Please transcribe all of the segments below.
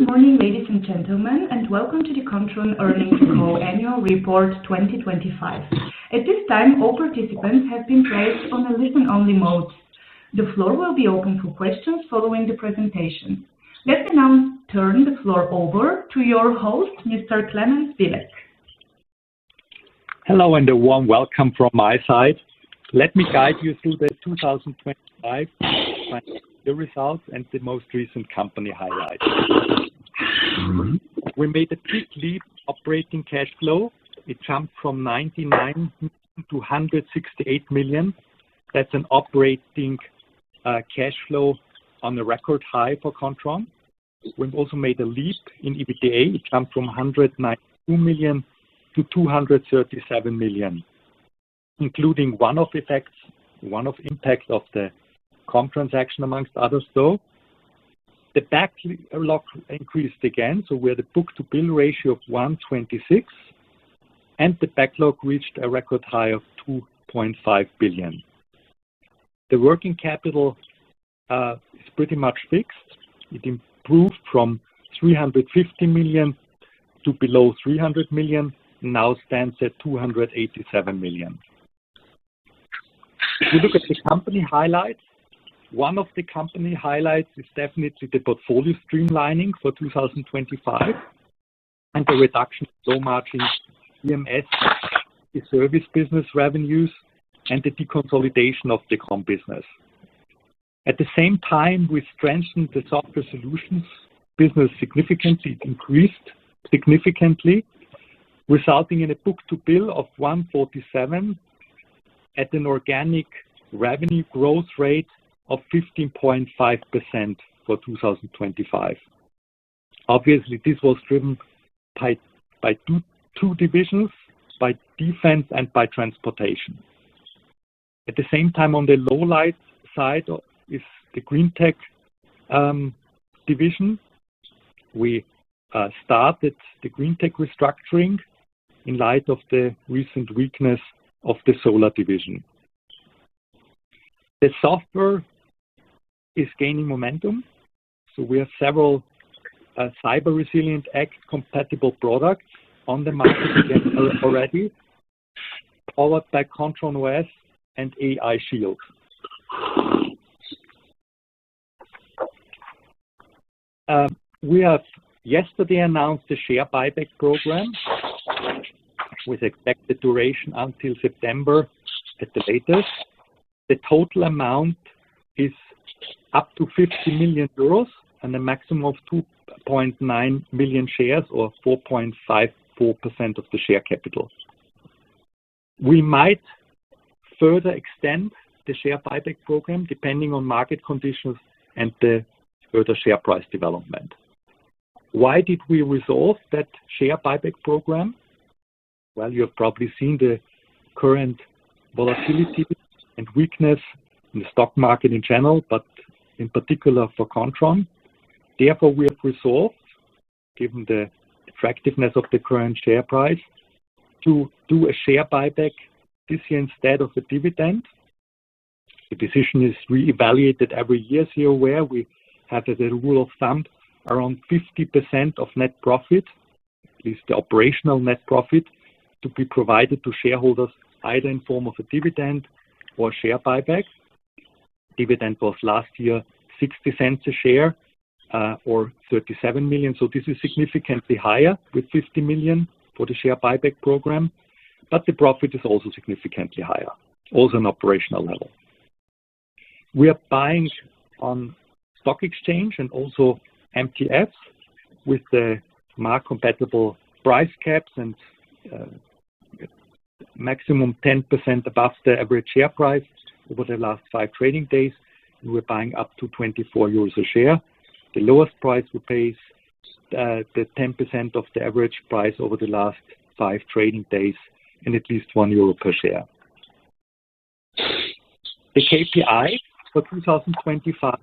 Good morning, ladies and gentlemen, and welcome to the Kontron earnings call annual report 2025. At this time, all participants have been placed on a listen-only mode. The floor will be open for questions following the presentation. Let me now turn the floor over to your host, Mr. Clemens Billek. Hello, and a warm welcome from my side. Let me guide you through the 2025 financial results and the most recent company highlights. We made a big leap in operating cash flow. It jumped from 99 million-168 million. That's an operating cash flow at a record high for Kontron. We've also made a leap in EBITDA. It jumped from 192 million to 237 million, including one-off effects, one-off impact of the COM transaction, among others, though. The backlog increased again. We had a book-to-bill ratio of 126, and the backlog reached a record high of 2.5 billion. The working capital is pretty much fixed. It improved from 350 million to below 300 million, now stands at 287 million. If you look at the company highlights, one of the company highlights is definitely the portfolio streamlining for 2025 and the reduction of low margin EMS, the service business revenues, and the deconsolidation of the COM business. At the same time, we strengthened the software solutions business, significantly increased, resulting in a book-to-bill of 147 at an organic revenue growth rate of 15.5% for 2025. Obviously, this was driven by two divisions: by defense and by transportation. At the same time, on the lowlight side is the GreenTec Division. We started the GreenTec restructuring in light of the recent weakness of the solar division. The software is gaining momentum, so we have several Cyber Resilience Act compatible products on the market already, powered by KontronOS and AIShield. We have yesterday announced the share buyback program with expected duration until September at the latest. The total amount is up to 50 million euros and a maximum of 2.9 million shares or 4.54% of the share capital. We might further extend the share buyback program depending on market conditions and the further share price development. Why did we resolve that share buyback program? Well, you've probably seen the current volatility and weakness in the stock market in general, but in particular for Kontron. Therefore, we have resolved, given the attractiveness of the current share price, to do a share buyback this year instead of a dividend. The decision is reevaluated every year. You're aware, we have as a rule of thumb, around 50% of net profit, at least the operational net profit, to be provided to shareholders either in form of a dividend or share buyback. Dividend was last year 0.60 per share, or 37 million. This is significantly higher with 50 million for the share buyback program, but the profit is also significantly higher, also on operational level. We are buying on stock exchange and also MTF with the market-compatible price caps and maximum 10% above the average share price over the last five trading days, and we're buying up to 24 euros a share. The lowest price we pay is the 10% of the average price over the last five trading days, and at least 1 euro per share. The KPI for 2025,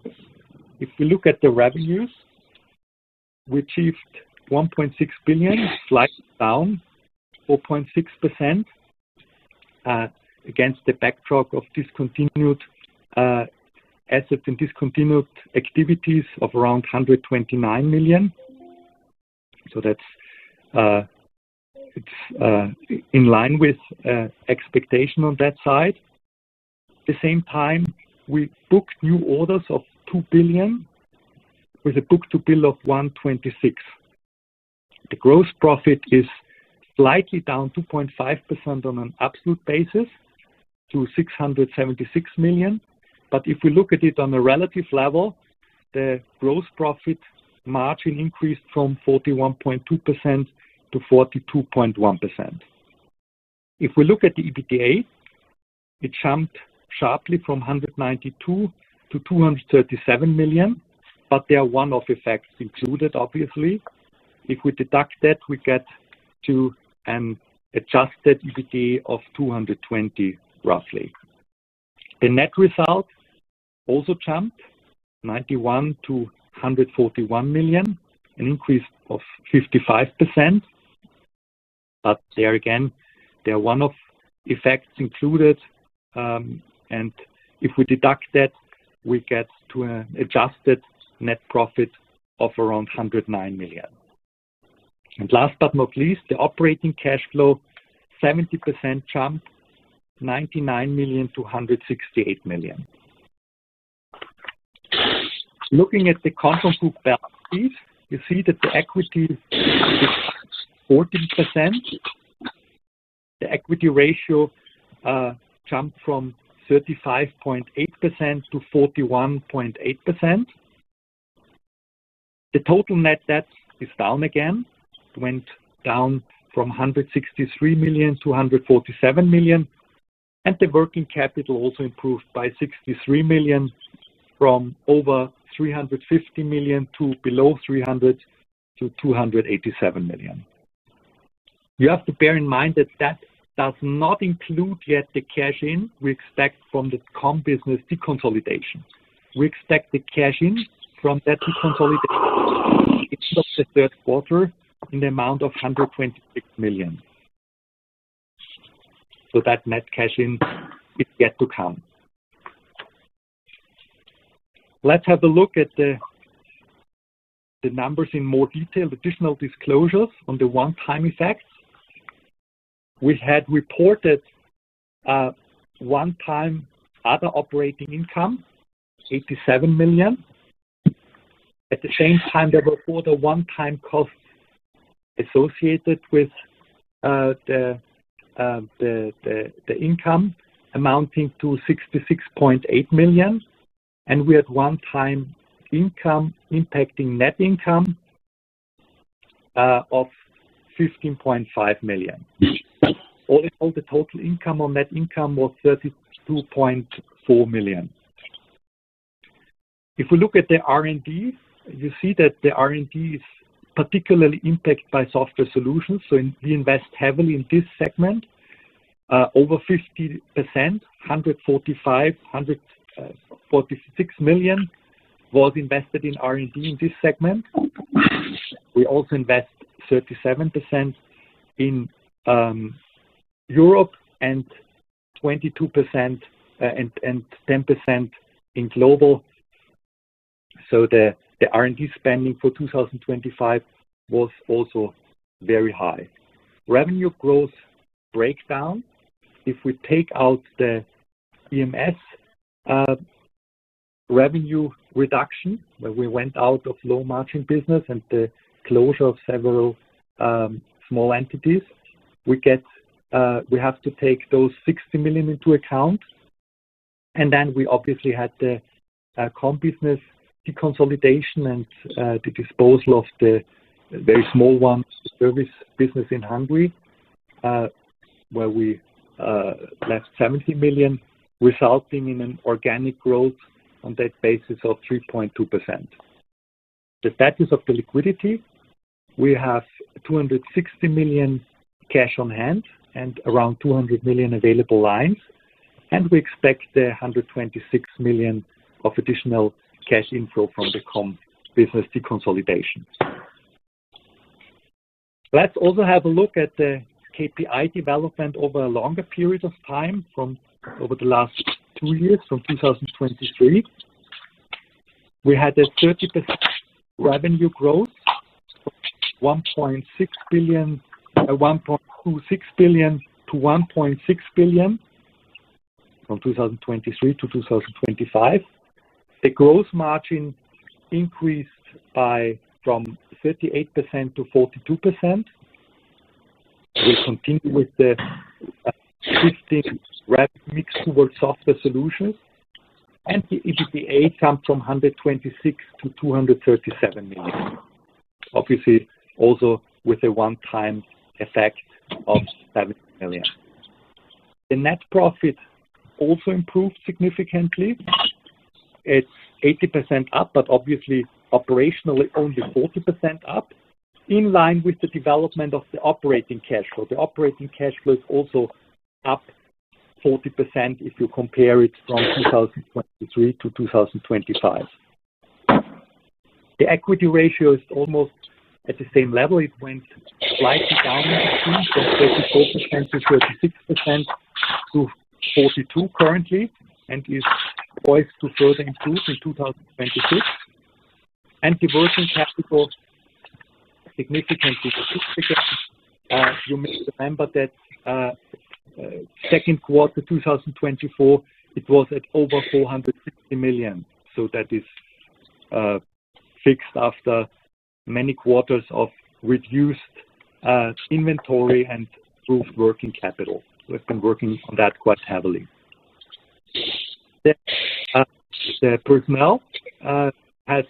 if we look at the revenues, we achieved 1.6 billion, slightly down 4.6% against the backdrop of discontinued assets and discontinued activities of around 129 million. That's in line with expectation on that side. At the same time, we booked new orders of 2 billion with a book-to-bill of 1.26. The gross profit is slightly down 2.5% on an absolute basis to 676 million. If we look at it on a relative level, the gross profit margin increased 41.2%-42.1%. If we look at the EBITDA, it jumped sharply 192 million to 237 million, but there are one-off effects included, obviously. If we deduct that, we get to an adjusted EBITDA of 220, roughly. The net result also jumped 91 million to 141 million, an increase of 55%. There again, there are one-off effects included. If we deduct that, we get to an adjusted net profit of around 109 million. Last but not least, the operating cash flow, 70% jump, EUR 99 million-EUR 168 million. Looking at the consolidated group balance sheet, you see that the equity is 14%. The equity ratio jumped from 35.8% to 41.8%. The total net debt is down again. It went down from 163 million-147 million, and the working capital also improved by 63 million, from over 350 million to below 300 million-287 million. You have to bear in mind that that does not include yet the cash-in we expect from the COM business deconsolidation. We expect the cash-in from that deconsolidation at the end of the third quarter in the amount of 126 million. That net cash-in is yet to come. Let's have a look at the numbers in more detail. Additional disclosures on the one-time effects. We had reported one-time other operating income, 87 million. At the same time, there were further one-time costs associated with the income amounting to 66.8 million, and we had one-time income impacting net income of 15.5 million. All in all, the total income on net income was 32.4 million. If we look at the R&D, you see that the R&D is particularly impacted by software solutions. We invest heavily in this segment. Over 50%, 145,146 million was invested in R&D in this segment. We also invest 37% in Europe and 10% in global. The R&D spending for 2025 was also very high. Revenue growth breakdown. If we take out the EMS revenue reduction, where we went out of low-margin business and the closure of several small entities, we have to take those 60 million into account. Then we obviously had the COM business deconsolidation and the disposal of the very small one service business in Hungary, where we left 70 million, resulting in an organic growth on that basis of 3.2%. The status of the liquidity, we have 260 million cash on hand and around 200 million available lines, and we expect the 126 million of additional cash inflow from the COM business deconsolidation. Let's also have a look at the KPI development over a longer period of time from over the last two years. From 2023, we had a 30% revenue growth, 1.26 billion to 1.6 billion from 2023 to 2025. The growth margin increased from 38%-42%. We continue with the shifting rev mix towards software solutions, and the EBITDA jumped from 126 million-237 million. Obviously also with a one-time effect of 7 million. The net profit also improved significantly. It's 80% up, but obviously operationally only 40% up, in line with the development of the operating cash flow. The operating cash flow is also up 40% if you compare it from 2023 to 2025. The equity ratio is almost at the same level. It went slightly down it seems, from 34%-36% -42% currently, and is poised to further improve in 2026. The working capital significantly decreased. You may remember that second quarter 2024, it was at over 450 million. That is fixed after many quarters of reduced inventory and improved working capital. We've been working on that quite heavily. The personnel has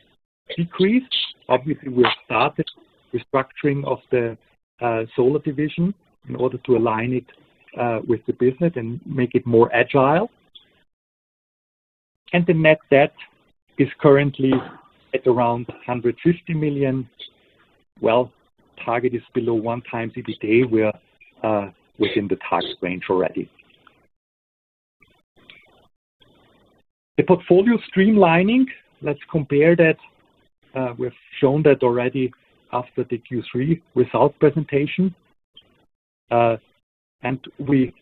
decreased. Obviously, we have started restructuring of the solar division in order to align it with the business and make it more agile. The net debt is currently at around 150 million. Target is below 1x EBITDA. We are within the target range already. The portfolio streamlining, let's compare that. We've shown that already after the Q3 results presentation. We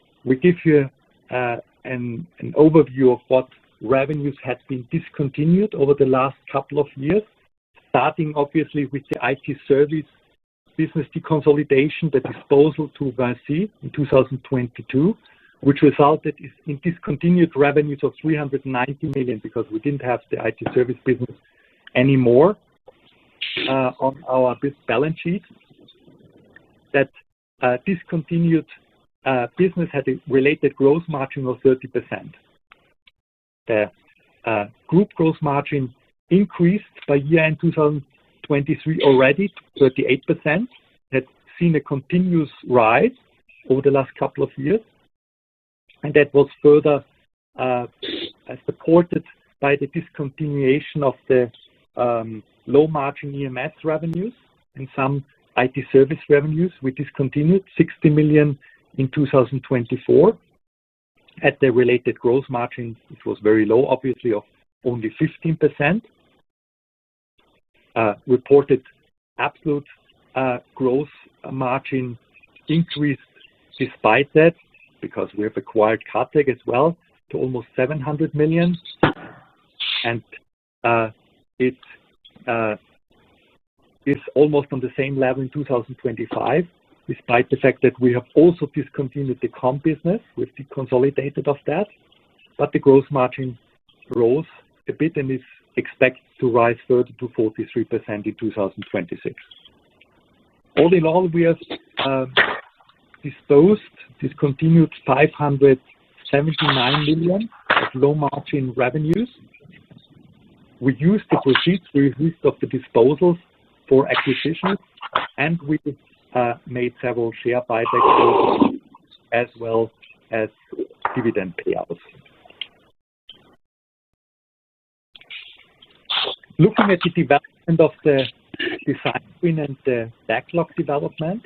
give you an overview of what revenues had been discontinued over the last couple of years, starting obviously with the IT service business deconsolidation, the disposal to VINCI in 2022, which resulted in discontinued revenues of 390 million because we didn't have the IT service business anymore on our balance sheet. That discontinued business had a related gross margin of 30%. The group gross margin increased by year-end 2023 already to 38%, had seen a continuous rise over the last couple of years, and that was further supported by the discontinuation of the low margin EMS revenues and some IT service revenues. We discontinued 60 million in 2024 at the related gross margin, which was very low, obviously, of only 15%. Reported absolute gross margin increased despite that because we have acquired KATEK as well to almost 700 million. It's almost on the same level in 2025, despite the fact that we have also discontinued the COM business. We've deconsolidated that, but the gross margin rose a bit and is expected to rise 30% to 43% in 2026. All in all, we have disposed, discontinued 579 million of low margin revenues. We used the proceeds of the disposals for acquisitions, and we made several share buybacks as well as dividend payouts. Looking at the development of the design win and the backlog development.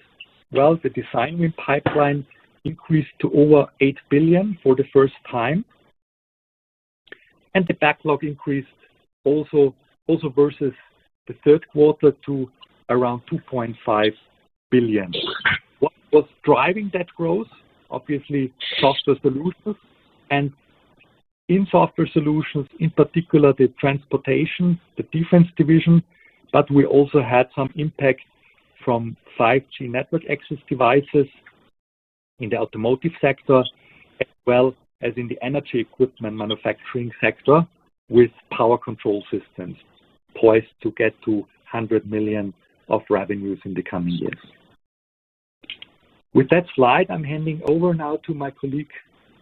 Well, the design win pipeline increased to over 8 billion for the first time. The backlog increased also versus the third quarter to around 2.5 billion. What was driving that growth? Obviously, software solutions, in particular, the transportation, the defense division, but we also had some impact from 5G network access devices in the automotive sector, as well as in the energy equipment manufacturing sector with power control systems poised to get to 100 million of revenues in the coming years. With that slide, I'm handing over now to my colleague,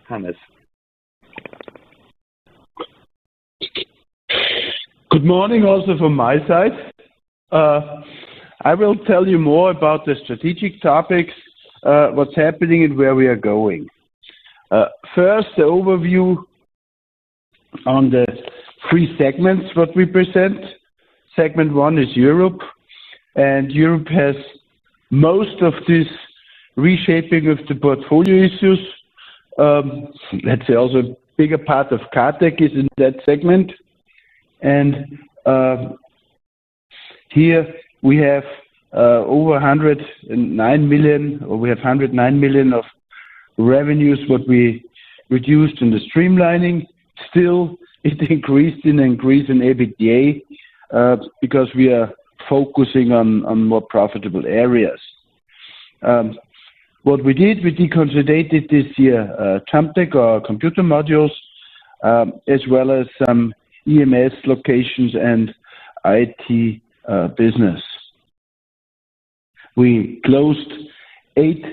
Hannes. Good morning also from my side. I will tell you more about the strategic topics, what's happening and where we are going. First, the overview on the three segments that we present. Segment one is Europe, and Europe has most of this reshaping of the portfolio issues. Let's say also a bigger part of KATEK is in that segment. Here we have over 109 million, or we have 109 million of revenues, what we reduced in the streamlining. Still, it increased in EBITDA because we are focusing on more profitable areas. What we did, we deconsolidated this year, JUMPtec, our computer modules, as well as some EMS locations and IT business. We closed eight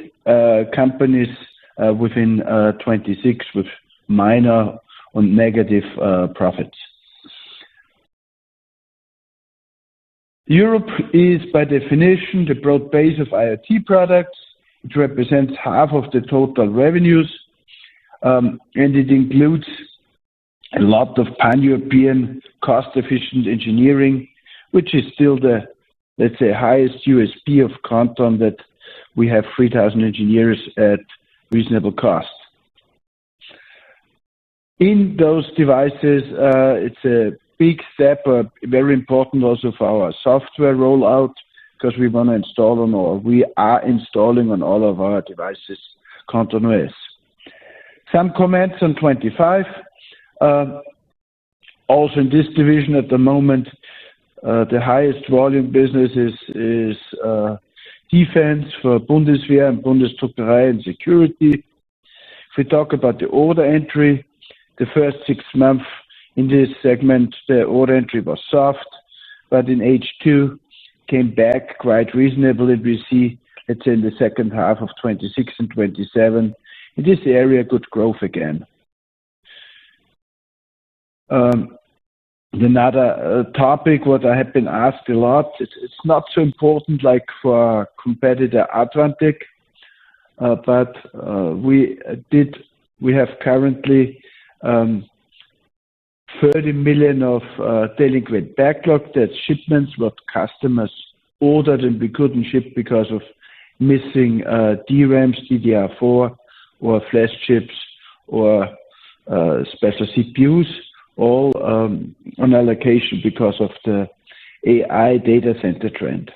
companies within 2026 with minor or negative profits. Europe is by definition the broad base of IoT products, which represents half of the total revenues, and it includes a lot of Pan-European cost-efficient engineering, which is still the, let's say, highest USP of Kontron that we have 3,000 engineers at reasonable cost. In those devices, it's a big step, very important also for our software rollout because we want to install them or we are installing on all of our devices, KontronOS. Some comments on 2025. Also, in this division at the moment, the highest volume business is defense for Bundeswehr and [BSI] security. If we talk about the order entry, the first six months in this segment, the order entry was soft, but in H2, came back quite reasonably. We see, let's say in the second half of 2026 and 2027, in this area, good growth again. Another topic that I have been asked a lot. It's not so important like for competitor Advantech, but we have currently 30 million of delinquent backlog. That's shipments that customers ordered and we couldn't ship because of missing DRAMs, DDR4 or flash chips, or special CPUs, all on allocation because of the AI data center trend.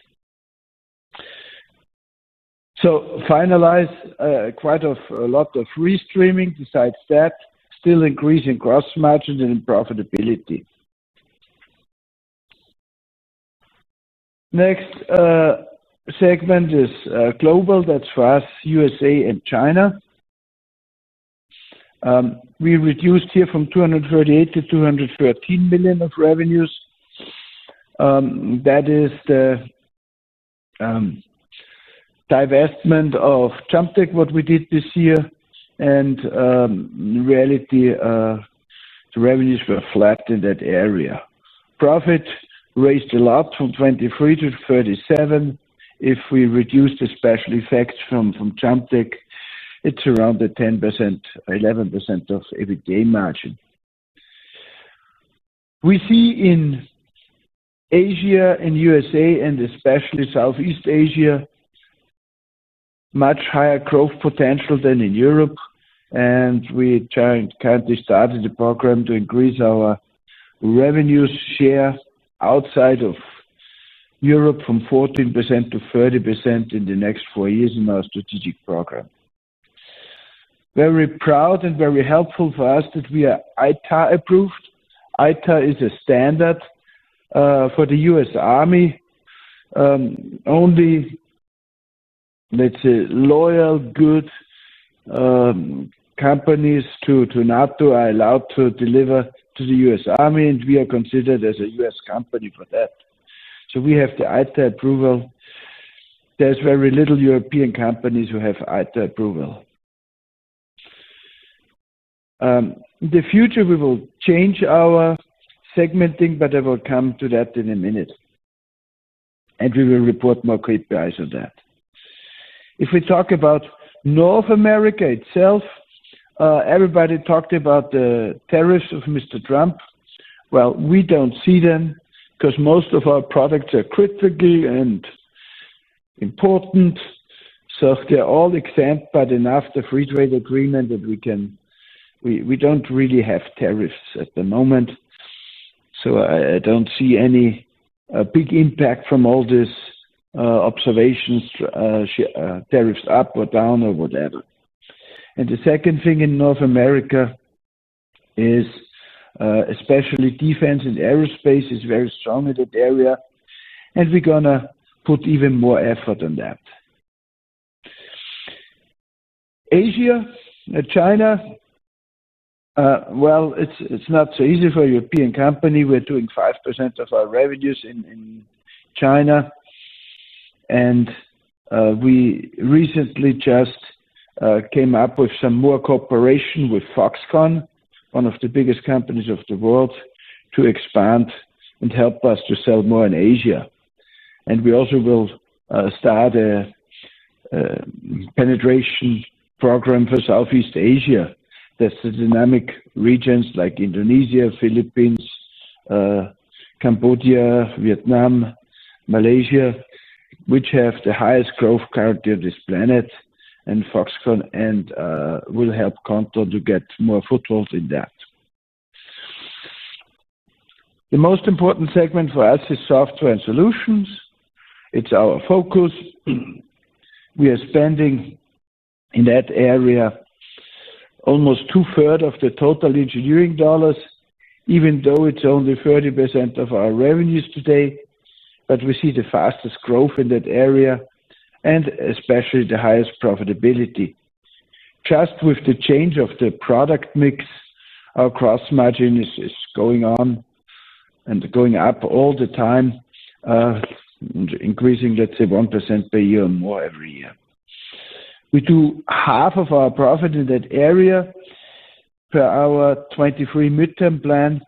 So finalizing quite a lot of restreaming. Besides that, still increasing gross margin and profitability. Next segment is Global. That's for us, U.S.A. and China. We reduced here from 238 million-213 million of revenues. That is the divestment of JUMPtec, that we did this year. In reality, the revenues were flat in that area. Profit raised a lot from 23 million to 37 million. If we reduce the special effects from JUMPtec, it's around 10%-11% EBITDA margin. We see in Asia and U.S.A. and especially Southeast Asia, much higher growth potential than in Europe, and we currently started a program to increase our revenue share outside of Europe from 14%-30% in the next four years in our strategic program. Very proud and very helpful for us that we are ITAR approved. ITAR is a standard for the U.S. Army. Only, let's say, loyal goods, companies to NATO are allowed to deliver to the U.S. Army, and we are considered as a U.S. company for that. So we have the ITAR approval. There's very little European companies who have ITAR approval. In the future, we will change our segmenting, but I will come to that in a minute, and we will report more KPIs on that. If we talk about North America itself, everybody talked about the tariffs of Mr. Trump. Well, we don't see them because most of our products are critical and important. They're all exempt by the NAFTA free trade agreement that we don't really have tariffs at the moment. I don't see any big impact from all these observations, tariffs up or down or whatever. The second thing in North America is, especially defense and aerospace is very strong in that area, and we're going to put even more effort on that. Asia, China, well, it's not so easy for a European company. We're doing 5% of our revenues in China, and we recently just came up with some more cooperation with Foxconn, one of the biggest companies of the world, to expand and help us to sell more in Asia. We also will start a penetration program for Southeast Asia. That's the dynamic regions like Indonesia, Philippines, Cambodia, Vietnam, Malaysia, which have the highest growth currently of this planet, and Foxconn will help Kontron to get more foothold in that. The most important segment for us is software and solutions. It's our focus. We are spending in that area almost two-thirds of the total engineering dollars, even though it's only 30% of our revenues today. We see the fastest growth in that area, and especially the highest profitability. Just with the change of the product mix, our gross margin is going on and going up all the time, increasing, let's say, 1% per year or more every year. We do half of our profit in that area. Per our 2023 mid-term plan,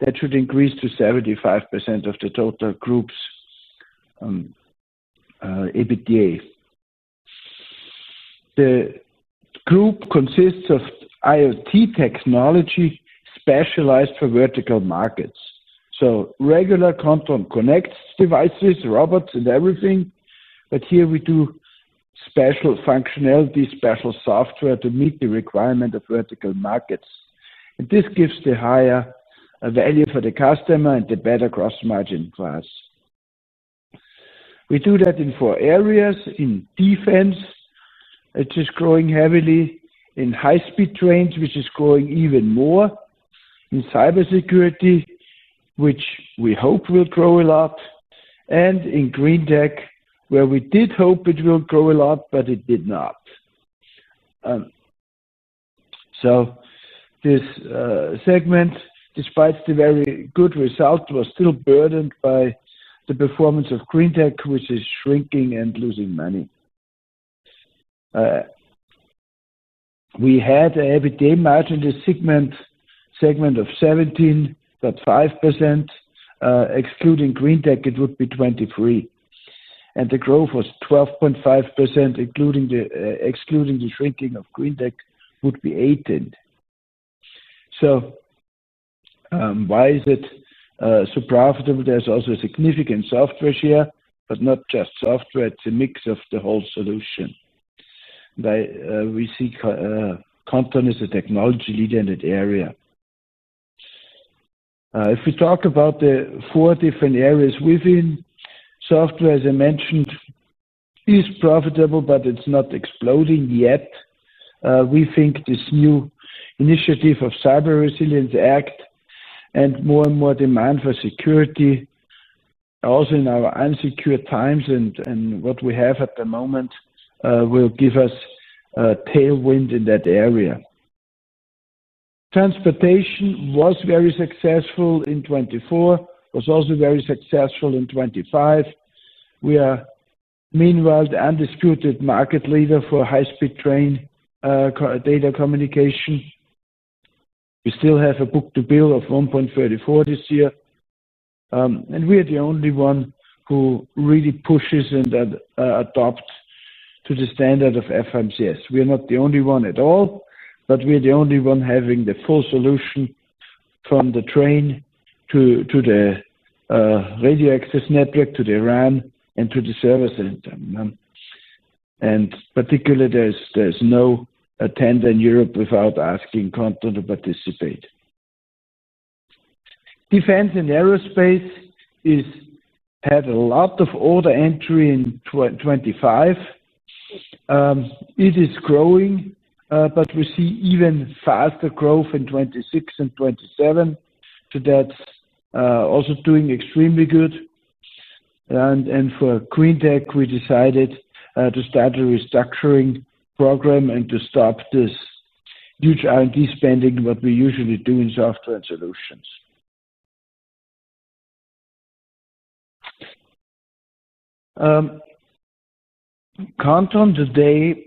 that should increase to 75% of the total group's EBITDA. The group consists of IoT technology specialized for vertical markets. Regular Kontron connects devices, robots, and everything. Here we do special functionality, special software to meet the requirement of vertical markets. This gives the higher value for the customer and the better gross margin for us. We do that in four areas. In defense, which is growing heavily. In high-speed trains, which is growing even more. In cybersecurity, which we hope will grow a lot. In GreenTec, where we did hope it will grow a lot, but it did not. This segment, despite the very good result, was still burdened by the performance of GreenTec, which is shrinking and losing money. We had an EBITDA margin segment of 17.5%. Excluding GreenTec, it would be 23%. The growth was 12.5%, excluding the shrinking of GreenTec, would be 18%. Why is it so profitable? There's also a significant software share, but not just software, it's a mix of the whole solution. We see Kontron as a technology leader in that area. If we talk about the four different areas within software, as I mentioned, is profitable, but it's not exploding yet. We think this new initiative of Cyber Resilience Act and more and more demand for security also in our unsecure times and what we have at the moment will give us a tailwind in that area. Transportation was very successful in 2024, was also very successful in 2025. We are meanwhile the undisputed market leader for high-speed train data communication. We still have a book-to-bill of 1.34 this year. We are the only one who really pushes and adopts to the standard of FRMCS. We are not the only one at all, but we are the only one having the full solution from the train to the radio access network, to the RAN, and to the service center. Particularly, there's no tender in Europe without asking Kontron to participate. Defense and aerospace had a lot of order entry in 2025. It is growing, but we see even faster growth in 2026 and 2027. That's also doing extremely good. For GreenTec, we decided to start a restructuring program and to stop this huge R&D spending, what we usually do in software and solutions. Kontron today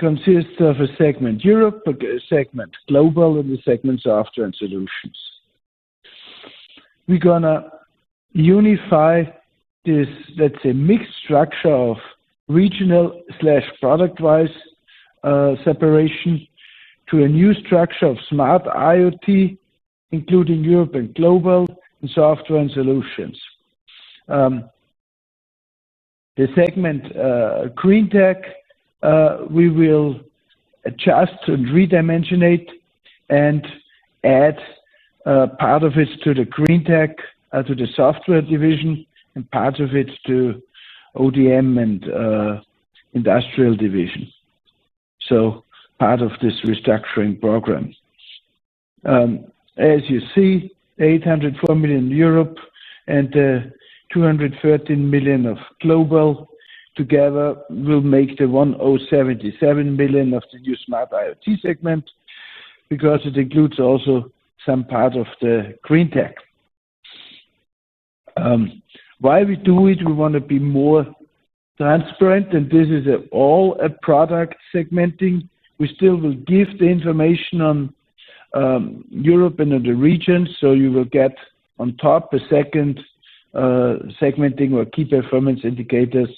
consists of a segment Europe, a segment Global, and a segment Software and Solutions. We're going to unify this, let's say, mixed structure of regional/product wise separation to a new structure of smart IoT, including Europe and Global and Software and Solutions. The segment GreenTec, we will adjust and redimensionate and add part of it to the GreenTec, to the software division and part of it to ODM and industrial division. Part of this restructuring program. As you see, 804 million in Europe and 213 million of global together will make the 1.077 billion of the new smart IoT segment because it includes also some part of the GreenTec. Why we do it? We want to be more transparent, and this is all a product segmenting. We still will give the information on Europe and other regions. You will get on top a second segmenting or key performance indicators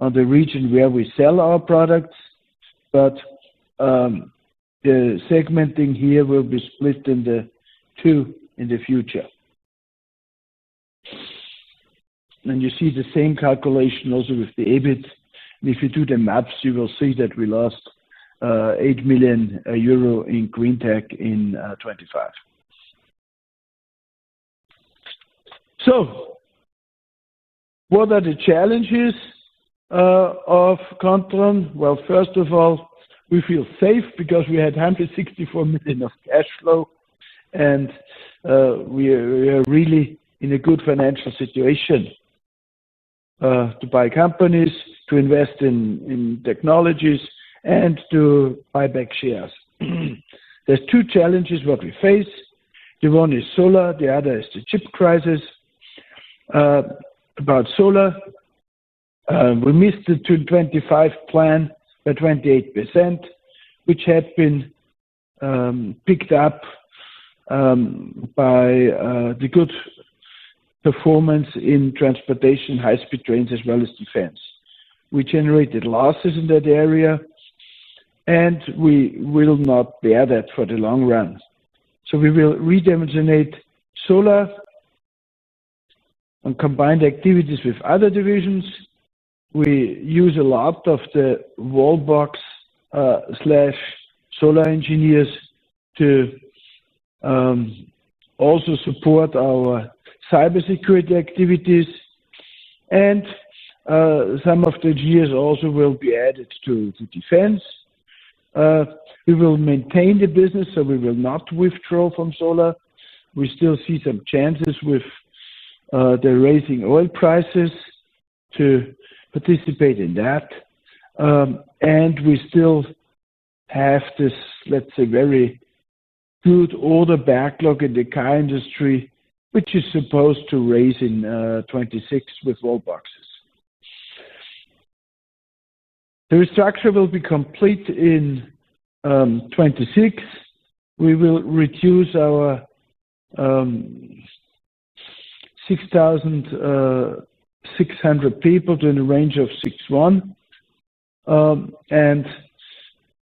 on the region where we sell our products. The segmenting here will be split in the two in the future. You see the same calculation also with the EBIT. If you do the math, you will see that we lost 8 million euro in GreenTec in 2025. What are the challenges of Kontron? Well, first of all, we feel safe because we had 164 million of cash flow and we are really in a good financial situation to buy companies, to invest in technologies, and to buy back shares. There's two challenges what we face. The one is solar, the other is the chip crisis. About solar, we missed the 2025 plan by 28%, which had been picked up by the good performance in transportation, high-speed trains as well as defense. We generated losses in that area, and we will not bear that for the long run. We will redimensionate solar and combine the activities with other divisions. We use a lot of the wallbox/solar engineers to also support our cybersecurity activities. Some of the GEs also will be added to the defense. We will maintain the business, so we will not withdraw from solar. We still see some chances with the rising oil prices to participate in that. We still have this, let's say, very good order backlog in the car industry, which is supposed to rise in 2026 with wallboxes. The restructure will be complete in 2026. We will reduce our 6,600 people to in the range of 6,100.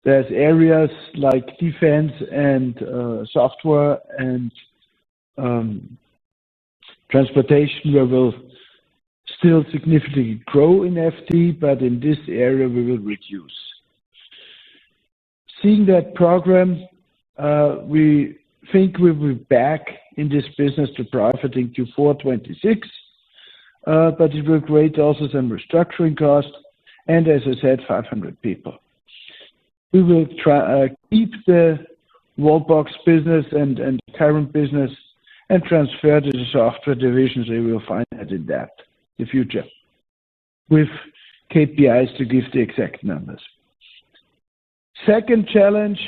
There's areas like defense and software and transportation where we'll still significantly grow in FTE, but in this area we will reduce. Seeing that program, we think we will be back in this business to profit in Q4 2026, but it will create also some restructuring costs, and as I said, 500 people. We will keep the wallbox business and current business and transfer to the software divisions. We will find that in the future with KPIs to give the exact numbers. Second challenge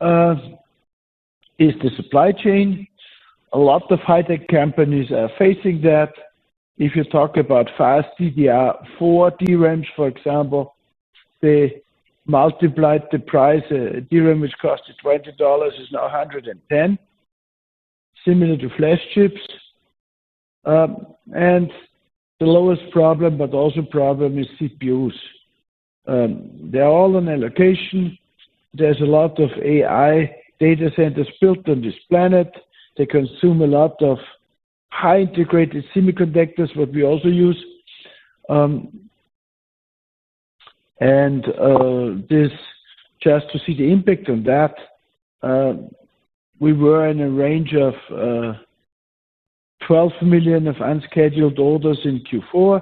is the supply chain. A lot of high-tech companies are facing that. If you talk about fast DDR4 DRAMs, for example, they multiplied the price. A DRAM which cost you $20 is now $110, similar to flash chips. The lowest problem, but also problem, is CPUs. They're all on allocation. There's a lot of AI data centers built on this planet. They consume a lot of highly integrated semiconductors, that we also use. Just to see the impact on that, we were in a range of 12 million of unscheduled orders in Q4.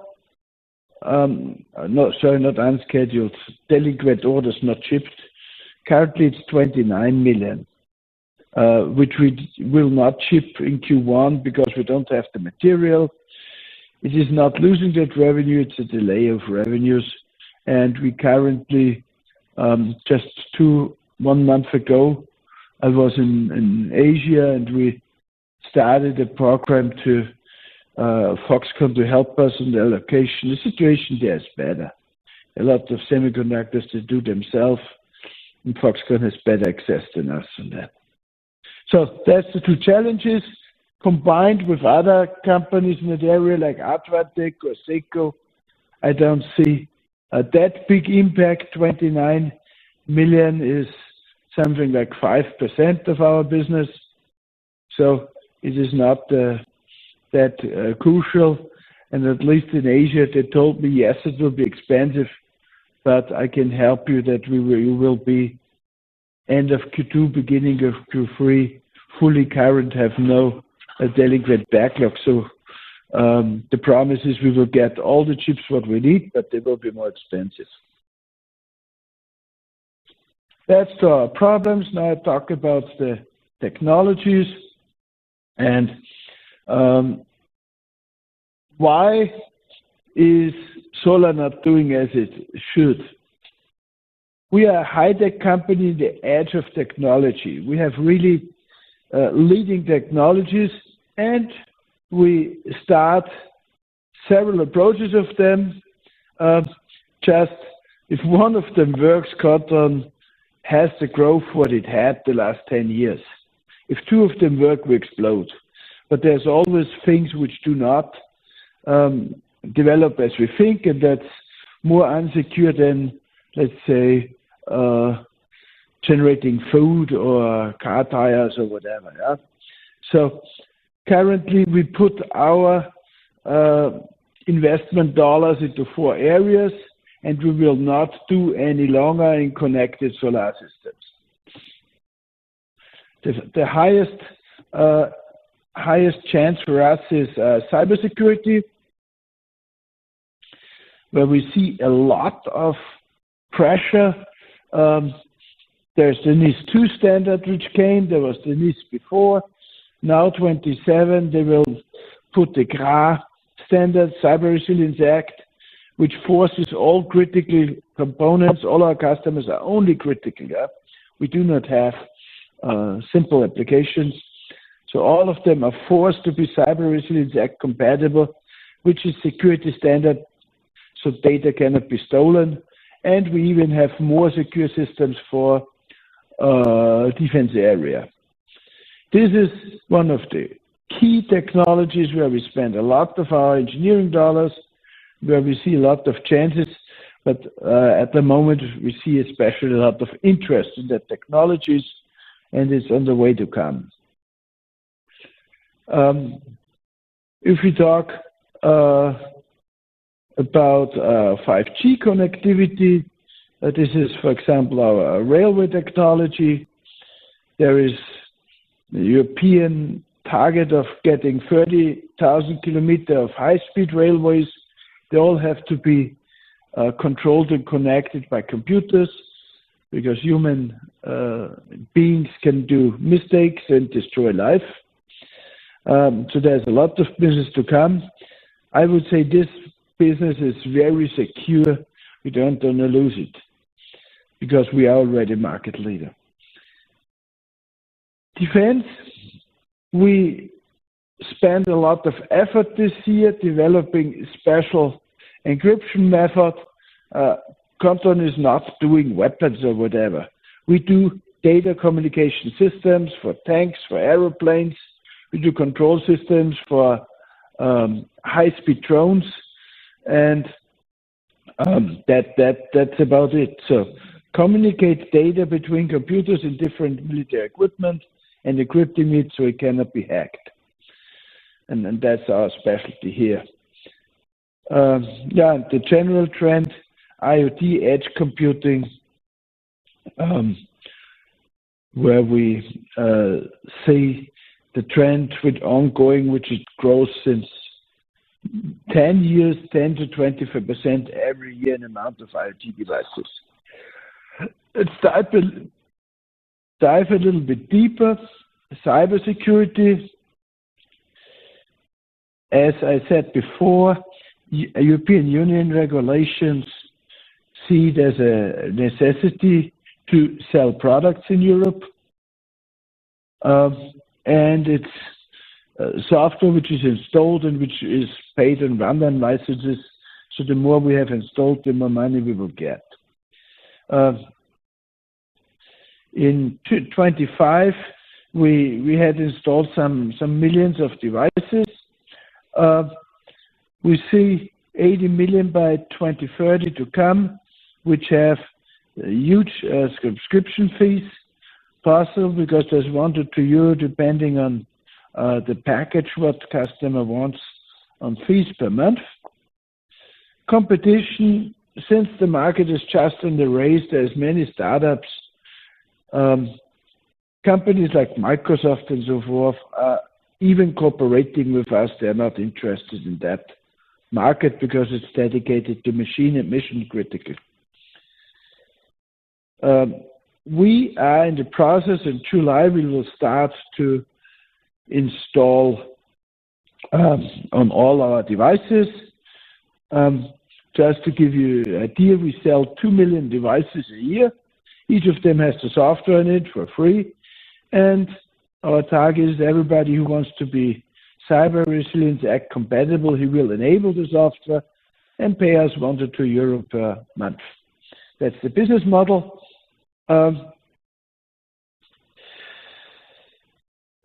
No, sorry, not unscheduled. Delinquent orders or not shipped. Currently, it's 29 million, which we will not ship in Q1 because we don't have the material. It is not losing that revenue, it's a delay of revenues. We currently, just one month ago, I was in Asia, and we started a program to Foxconn to help us in the allocation. The situation there is better. A lot of semiconductors they do themselves, and Foxconn has better access than us on that. That's the two challenges. Combined with other companies in the area like Advantech or SECO, I don't see that big impact. 29 million is something like 5% of our business, so it is not that crucial. At least in Asia, they told me, "Yes, it will be expensive, but I can help you that you will be end of Q2, beginning of Q3, fully current, have no delegate backlog." The promise is we will get all the chips what we need, but they will be more expensive. That's our problems. Now I talk about the technologies and why is Solar not doing as it should. We are a high-tech company, the edge of technology. We have really leading technologies, and we start several approaches of them. Just if one of them works, Kontron has the growth what it had the last 10 years. If two of them work, we explode. There's always things which do not develop as we think, and that's more unsecure than, let's say, generating food or car tires or whatever. Yeah. Currently, we put our investment dollars into four areas, and we will not do any longer in connected Solar business. The highest chance for us is cybersecurity, where we see a lot of pressure. There's the NIS2 standard which came. There was the NIS before. Now, 2027, they will put the CRA standard, Cyber Resilience Act, which forces all critical components. All our customers are only critical. We do not have simple applications. So all of them are forced to be Cyber Resilience Act compatible, which is security standard, so data cannot be stolen. And we even have more secure systems for defense area. This is one of the key technologies where we spend a lot of our engineering dollars, where we see a lot of chances. At the moment, we see especially a lot of interest in the technologies, and it's on the way to come. If we talk about 5G connectivity, this is, for example, our railway technology. There is the European target of getting 30,000 km of high-speed railways. They all have to be controlled and connected by computers because human beings can make mistakes and destroy life. There's a lot of business to come. I would say this business is very secure. We don't want to lose it because we are already market leader. Defense, we spent a lot of effort this year developing special encryption method. Kontron is not doing weapons or whatever. We do data communication systems for tanks, for airplanes. We do control systems for high-speed drones and that's about it. We communicate data between computers and different military equipment and encrypting it so it cannot be hacked. That's our specialty here. Yeah, the general trend, IoT, edge computing, where we see the trend with ongoing, which it grows since 10 years, 10%-25% every year in amount of IoT devices. Let's dive a little bit deeper. Cybersecurity, as I said before, European Union regulations see it as a necessity to sell products in Europe. It's software which is installed and which is paid in run time licenses. The more we have installed, the more money we will get. In 2025, we had installed some millions of devices. We see 80 million by 2030 to come, which have huge subscription fees possible because there's 1 or 2 euro, depending on the package, what customer wants on fees per month. Competition. Since the market is just in the race, there's many startups, companies like Microsoft and so forth, even cooperating with us, they are not interested in that market because it's dedicated to machine and mission critical. We are in the process. In July, we will start to install on all our devices. Just to give you an idea, we sell two million devices a year. Each of them has the software in it for free, and our target is everybody who wants to be Cyber Resilience Act compatible, he will enable the software and pay us 1-2 euro per month. That's the business model.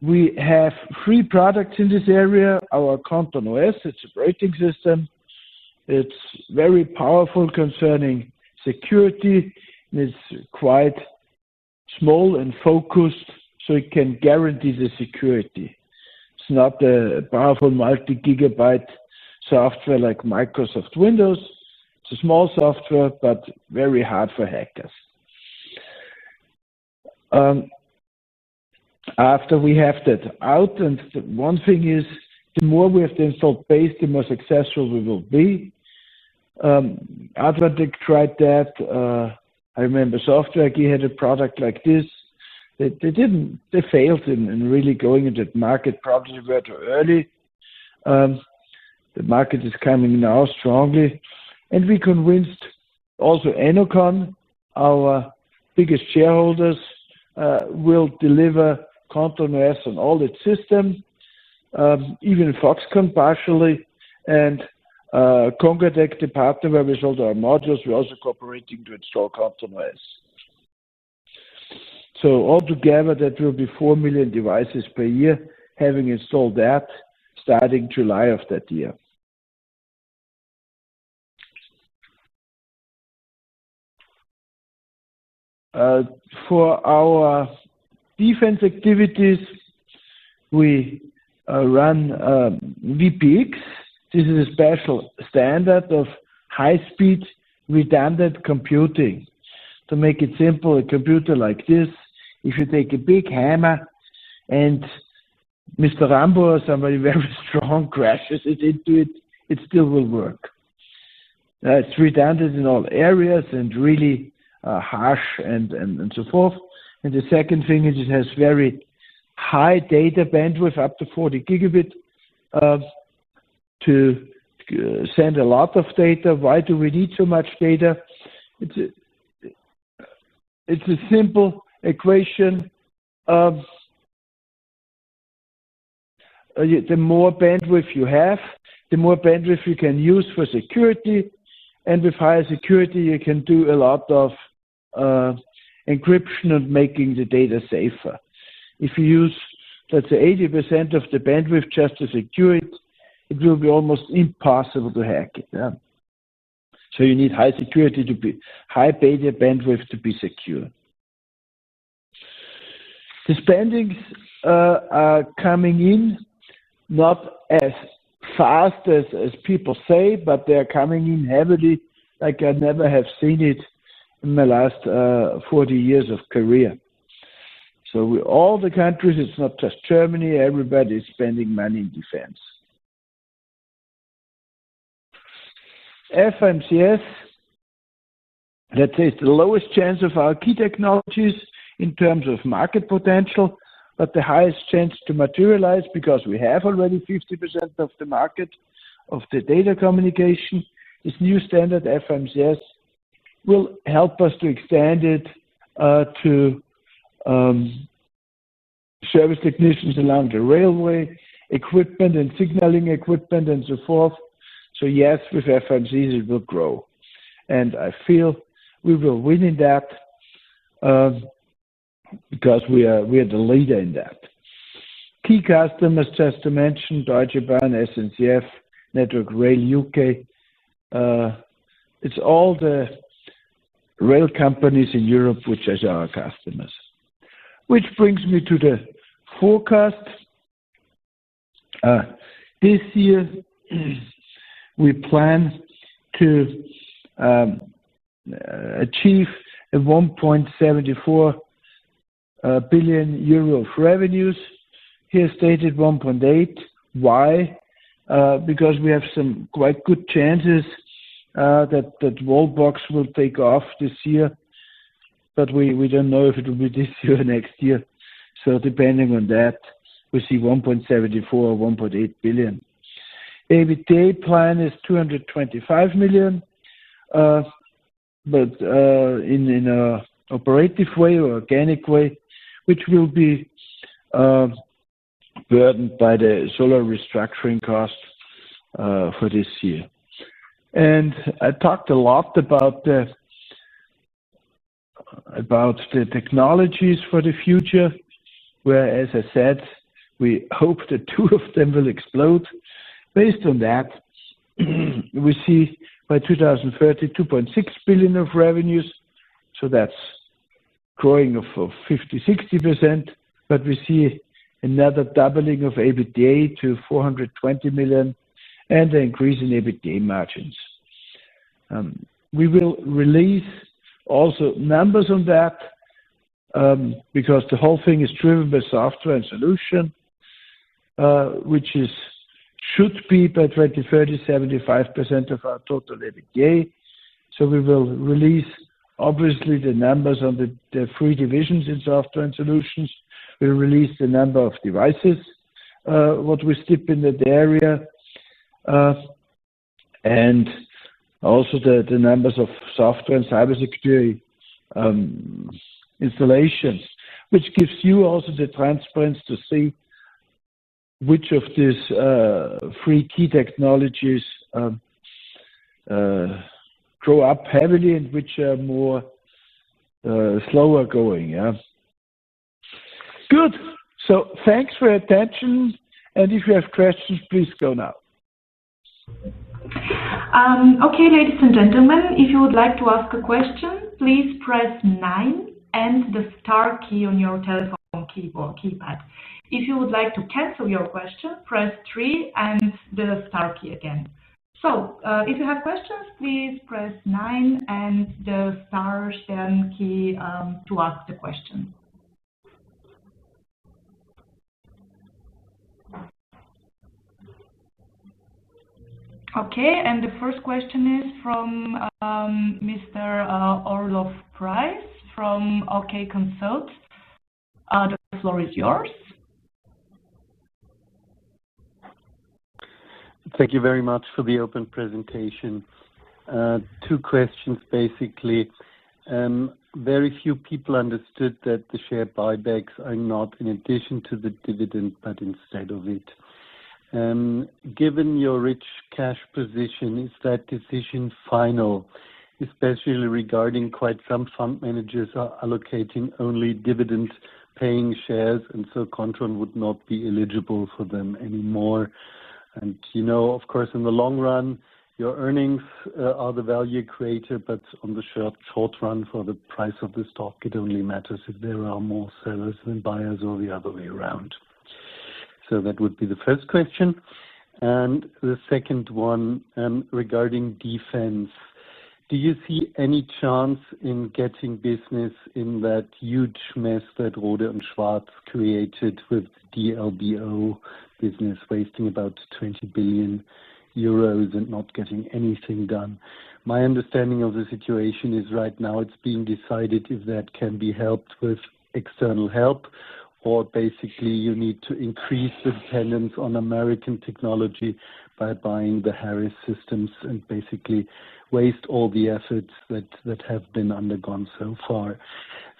We have three products in this area. Our KontronOS, it's an operating system. It's very powerful concerning security, and it's quite small and focused, so it can guarantee the security. It's not a powerful multi-gigabyte software like Microsoft Windows. It's a small software, but very hard for hackers. After we have that out, and one thing is, the more we have the install base, the more successful we will be. Advantech tried that. I remember Software AG had a product like this. They failed in really going into the market, probably a bit early. The market is coming now strongly, and we convinced also Ennoconn, our biggest shareholders, will deliver KontronOS on all its systems, even Foxconn partially, and Congatec, the partner where we sold our modules, we're also cooperating to install KontronOS. All together, that will be four million devices per year, having installed that starting July of that year. For our defense activities, we run VPX. This is a special standard of high-speed redundant computing. To make it simple, a computer like this, if you take a big hammer and Mr. Rambo or somebody very strong crashes it into it still will work. It's redundant in all areas and really harsh and so forth. The second thing is it has very high data bandwidth, up to 40 Gb, to send a lot of data. Why do we need so much data? It's a simple equation of the more bandwidth you have, the more bandwidth you can use for security, and with higher security, you can do a lot of encryption and making the data safer. If you use, let's say 80% of the bandwidth just to secure it will be almost impossible to hack it. Yeah. So you need high data bandwidth to be secure. The spendings are coming in not as fast as people say, but they're coming in heavily like I never have seen it in my last 40 years of career. All the countries, it's not just Germany, everybody's spending money in defense. FRMCS, let's say it's the lowest chance of our key technologies in terms of market potential, but the highest chance to materialize because we have already 50% of the market of the data communication. This new standard, FRMCS, will help us to extend it to service technicians along the railway, equipment and signaling equipment and so forth. Yes, with FRMCS it will grow. I feel we will win in that, because we are the leader in that. Key customers just to mention, Deutsche Bahn, SNCF, Network Rail U.K. It's all the rail companies in Europe which is our customers. Which brings me to the forecast. This year, we plan to achieve 1.74 billion euro of revenues, here stated 1.8 billion. Why? Because we have some quite good chances that wallbox will take off this year, but we don't know if it will be this year or next year. Depending on that, we see 1.74 billion or 1.8 billion. EBITDA plan is 225 million, but in an operative way or organic way, which will be burdened by the solar restructuring cost for this year. I talked a lot about the technologies for the future, where, as I said, we hope that two of them will explode. Based on that, we see by 2030, 2.6 billion of revenues. That's growing of 50%-60%, but we see another doubling of EBITDA to 420 million and an increase in EBITDA margins. We will release also numbers on that, because the whole thing is driven by software and solution, which should be by 2030, 75% of our total EBITDA. We will release obviously the numbers on the three divisions in software and solutions. We'll release the number of devices, what we ship in that area. Also the numbers of software and cybersecurity installations, which gives you also the transparency to see which of these three key technologies grow up heavily and which are more slower going. Good. Thanks for your attention. If you have questions, please go now. Okay. Ladies and gentlemen, if you would like to ask a question, please press nine and the star key on your telephone keypad. If you would like to cancel your question, press three and the star key again. If you have questions, please press nine and the star key to ask the question. Okay, and the first question is from [Mr. Orlov Price from OK Consult]. The floor is yours. Thank you very much for the open presentation. Two questions basically. Very few people understood that the share buybacks are not in addition to the dividend, but instead of it. Given your rich cash position, is that decision final, especially regarding quite some fund managers are allocating only dividend paying shares, and so Kontron would not be eligible for them anymore. You know, of course, in the long run, your earnings are the value created, but on the short run for the price of the stock, it only matters if there are more sellers than buyers or the other way around. That would be the first question. The second one, regarding defense. Do you see any chance in getting business in that huge mess that Rohde & Schwarz created with D-LBO business, wasting about 20 billion euros and not getting anything done? My understanding of the situation is right now it's being decided if that can be helped with external help or basically you need to increase dependence on American technology by buying the L3Harris Systems and basically waste all the efforts that have been undergone so far.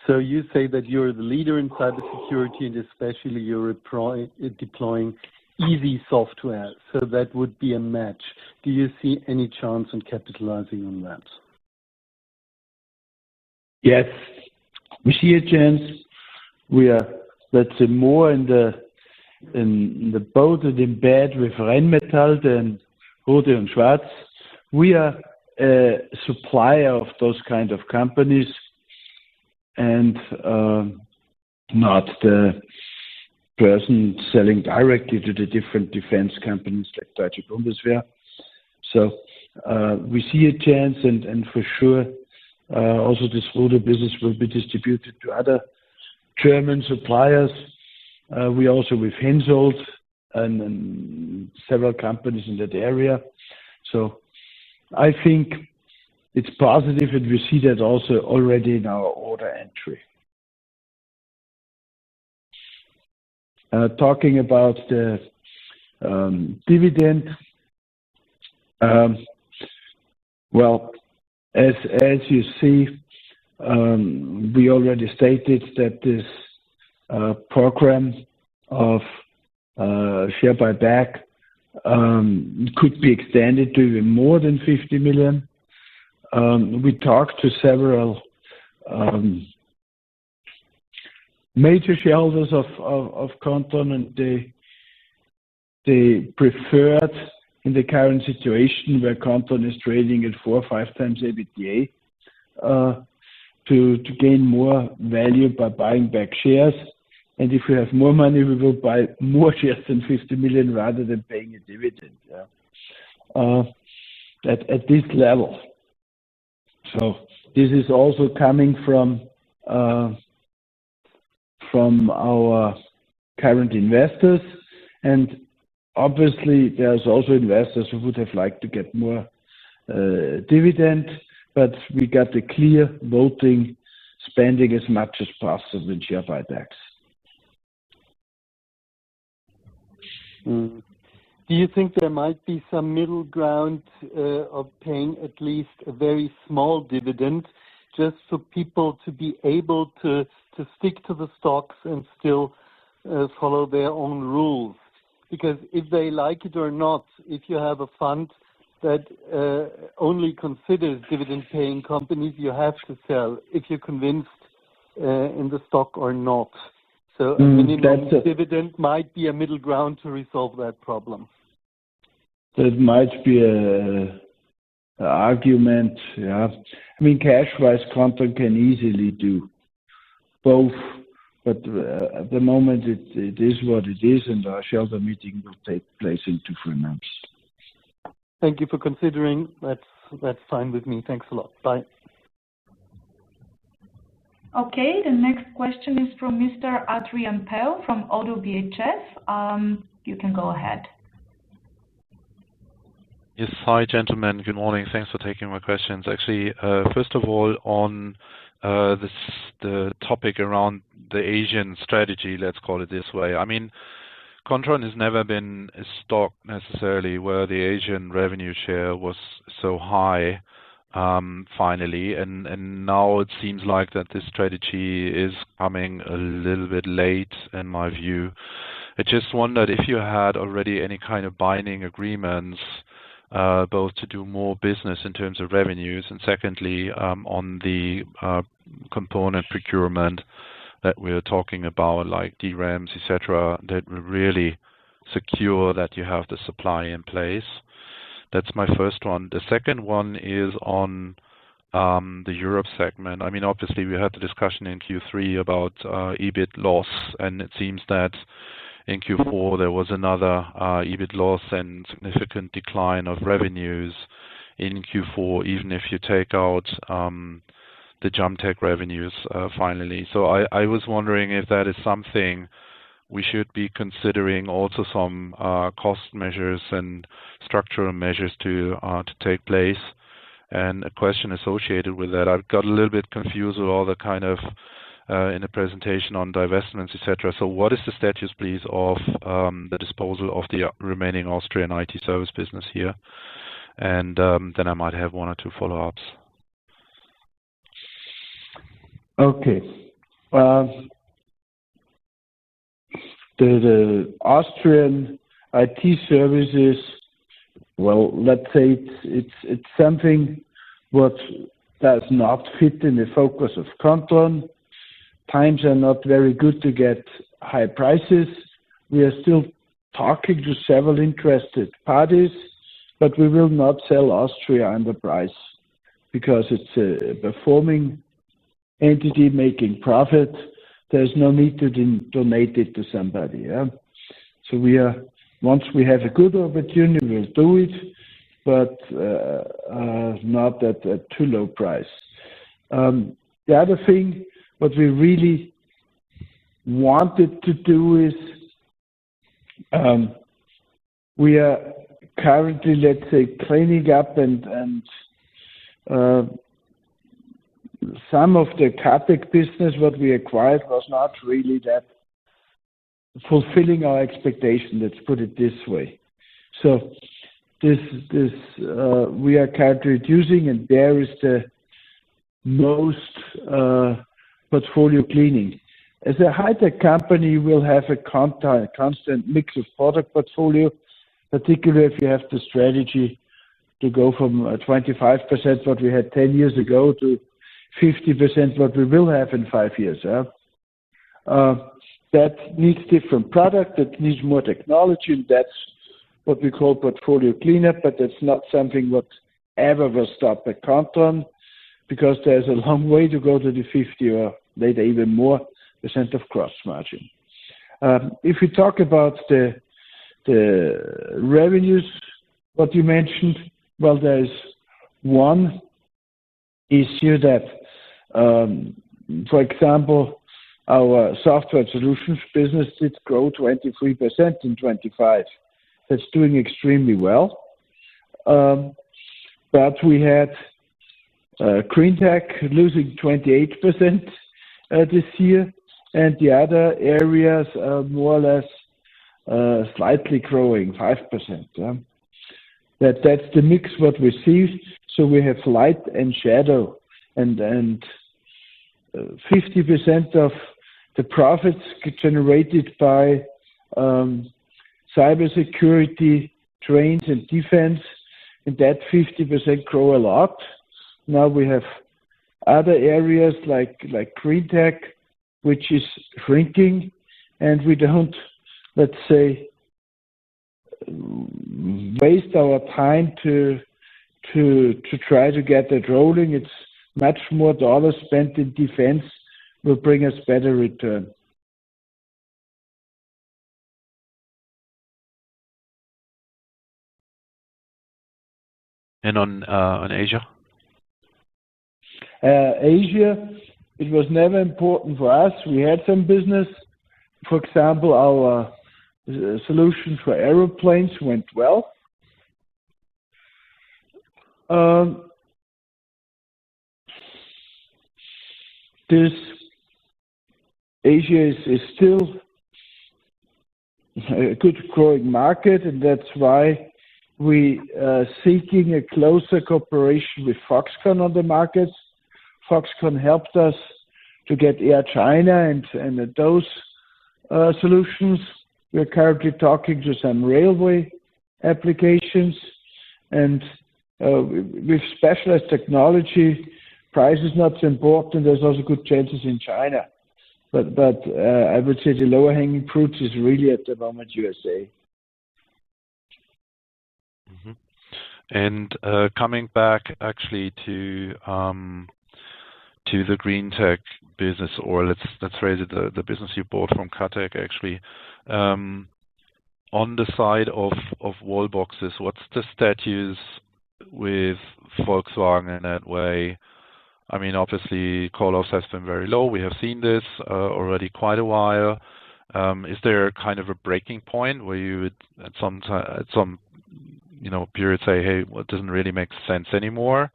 You say that you're the leader in cybersecurity and especially you're deploying easy software, so that would be a match. Do you see any chance in capitalizing on that? Yes. We see a chance. We are let's say more in the both in bed with Rheinmetall and Rohde & Schwarz. We are a supplier of those kind of companies and not the person selling directly to the different defense companies like Deutsche Bundeswehr. We see a chance and for sure, also this Rohde business will be distributed to other German suppliers. We also with HENSOLDT and several companies in that area. I think it's positive, and we see that also already in our order entry. Talking about the dividend. Well, as you see, we already stated that this program of share buyback could be extended to more than 50 million. We talked to several major shareholders of Kontron, and they preferred in the current situation, where Kontron is trading at 4x or 5x EBITDA, to gain more value by buying back shares. If we have more money, we will buy more shares than 50 million rather than paying a dividend, yeah, at this level. This is also coming from our current investors, and obviously there's also investors who would have liked to get more dividend. We got the clear vote in spending as much as possible in share buybacks. Do you think there might be some middle ground of paying at least a very small dividend just for people to be able to stick to the stocks and still follow their own rules? Because if they like it or not, if you have a fund that only considers dividend-paying companies, you have to sell if you're convinced in the stock or not. A minimum dividend might be a middle ground to resolve that problem. That might be an argument, yeah. Cash-wise, Kontron can easily do both, but at the moment, it is what it is, and our shareholder meeting will take place in two, three months. Thank you for considering. That's fine with me. Thanks a lot. Bye. Okay. The next question is from Mr. Adrian Pehl from Oddo BHF. You can go ahead. Yes. Hi, gentlemen. Good morning. Thanks for taking my questions. Actually, first of all, on the topic around the Asian strategy, let's call it this way. Kontron has never been a stock necessarily where the Asian revenue share was so high finally, and now it seems like that this strategy is coming a little bit late in my view. I just wondered if you had already any kind of binding agreements, both to do more business in terms of revenues, and secondly on the component procurement that we're talking about, like DRAMs, et cetera, that will really secure that you have the supply in place. That's my first one. The second one is on the Europe segment. Obviously, we had the discussion in Q3 about EBIT loss, and it seems that in Q4 there was another EBIT loss and significant decline of revenues in Q4, even if you take out the JUMPtec revenues finally. I was wondering if that is something we should be considering also some cost measures and structural measures to take place. A question associated with that, I've got a little bit confused with all the kind of in the presentation on divestments, et cetera. What is the status, please, of the disposal of the remaining Austrian IT service business here? I might have one or two follow-ups. Okay. The Austrian IT services, well, let's say it's something what does not fit in the focus of Kontron. Times are not very good to get high prices. We are still talking to several interested parties, but we will not sell Austria under price because it's a performing entity making profit. There's no need to donate it to somebody. We are. Once we have a good opportunity, we'll do it, but not at a too low price. The other thing what we really wanted to do is, we are currently, let's say, cleaning up and some of the KATEK business what we acquired was not really that fulfilling our expectation, let's put it this way. This, we are currently reducing, and there is the most portfolio cleaning. As a high-tech company, we'll have a constant mix of product portfolio, particularly if you have the strategy to go from 25%, what we had 10 years ago, to 50%, what we will have in five years, yeah. That needs different product, that needs more technology, and that's what we call portfolio cleanup, but that's not something whatever will stop at Kontron, because there's a long way to go to the 50 or later even more percent of gross margin. If you talk about the revenues what you mentioned, well, there is one issue that for example, our software solutions business did grow 23% in 2025. That's doing extremely well. We had GreenTec losing 28% this year, and the other areas are more or less slightly growing 5%. That's the mix what we see. We have light and shadow, and 50% of the profits generated by cybersecurity, trains, and defense, and that 50% grow a lot. Now we have other areas like GreenTec, which is shrinking, and we don't, let's say, waste our time to try to get that rolling. It's much more dollars spent in defense will bring us better return. On Asia? Asia, it was never important for us. We had some business. For example, our solution for airplanes went well. Asia is still a good growing market, and that's why we are seeking a closer cooperation with Foxconn on the markets. Foxconn helped us to get Air China and those solutions. We're currently talking to some railway applications, and with specialized technology, price is not important. There's also good chances in China. I would say the lower-hanging fruits is really at the moment U.S.A.. Coming back actually to the GreenTec business or let's phrase it, the business you bought from KATEK, actually. On the side of wallboxes, what's the status with Volkswagen in that way? Obviously, call-offs has been very low. We have seen this already quite a while. Is there kind of a breaking point where you would, at some period say, "Hey, well, it doesn't really make sense anymore?"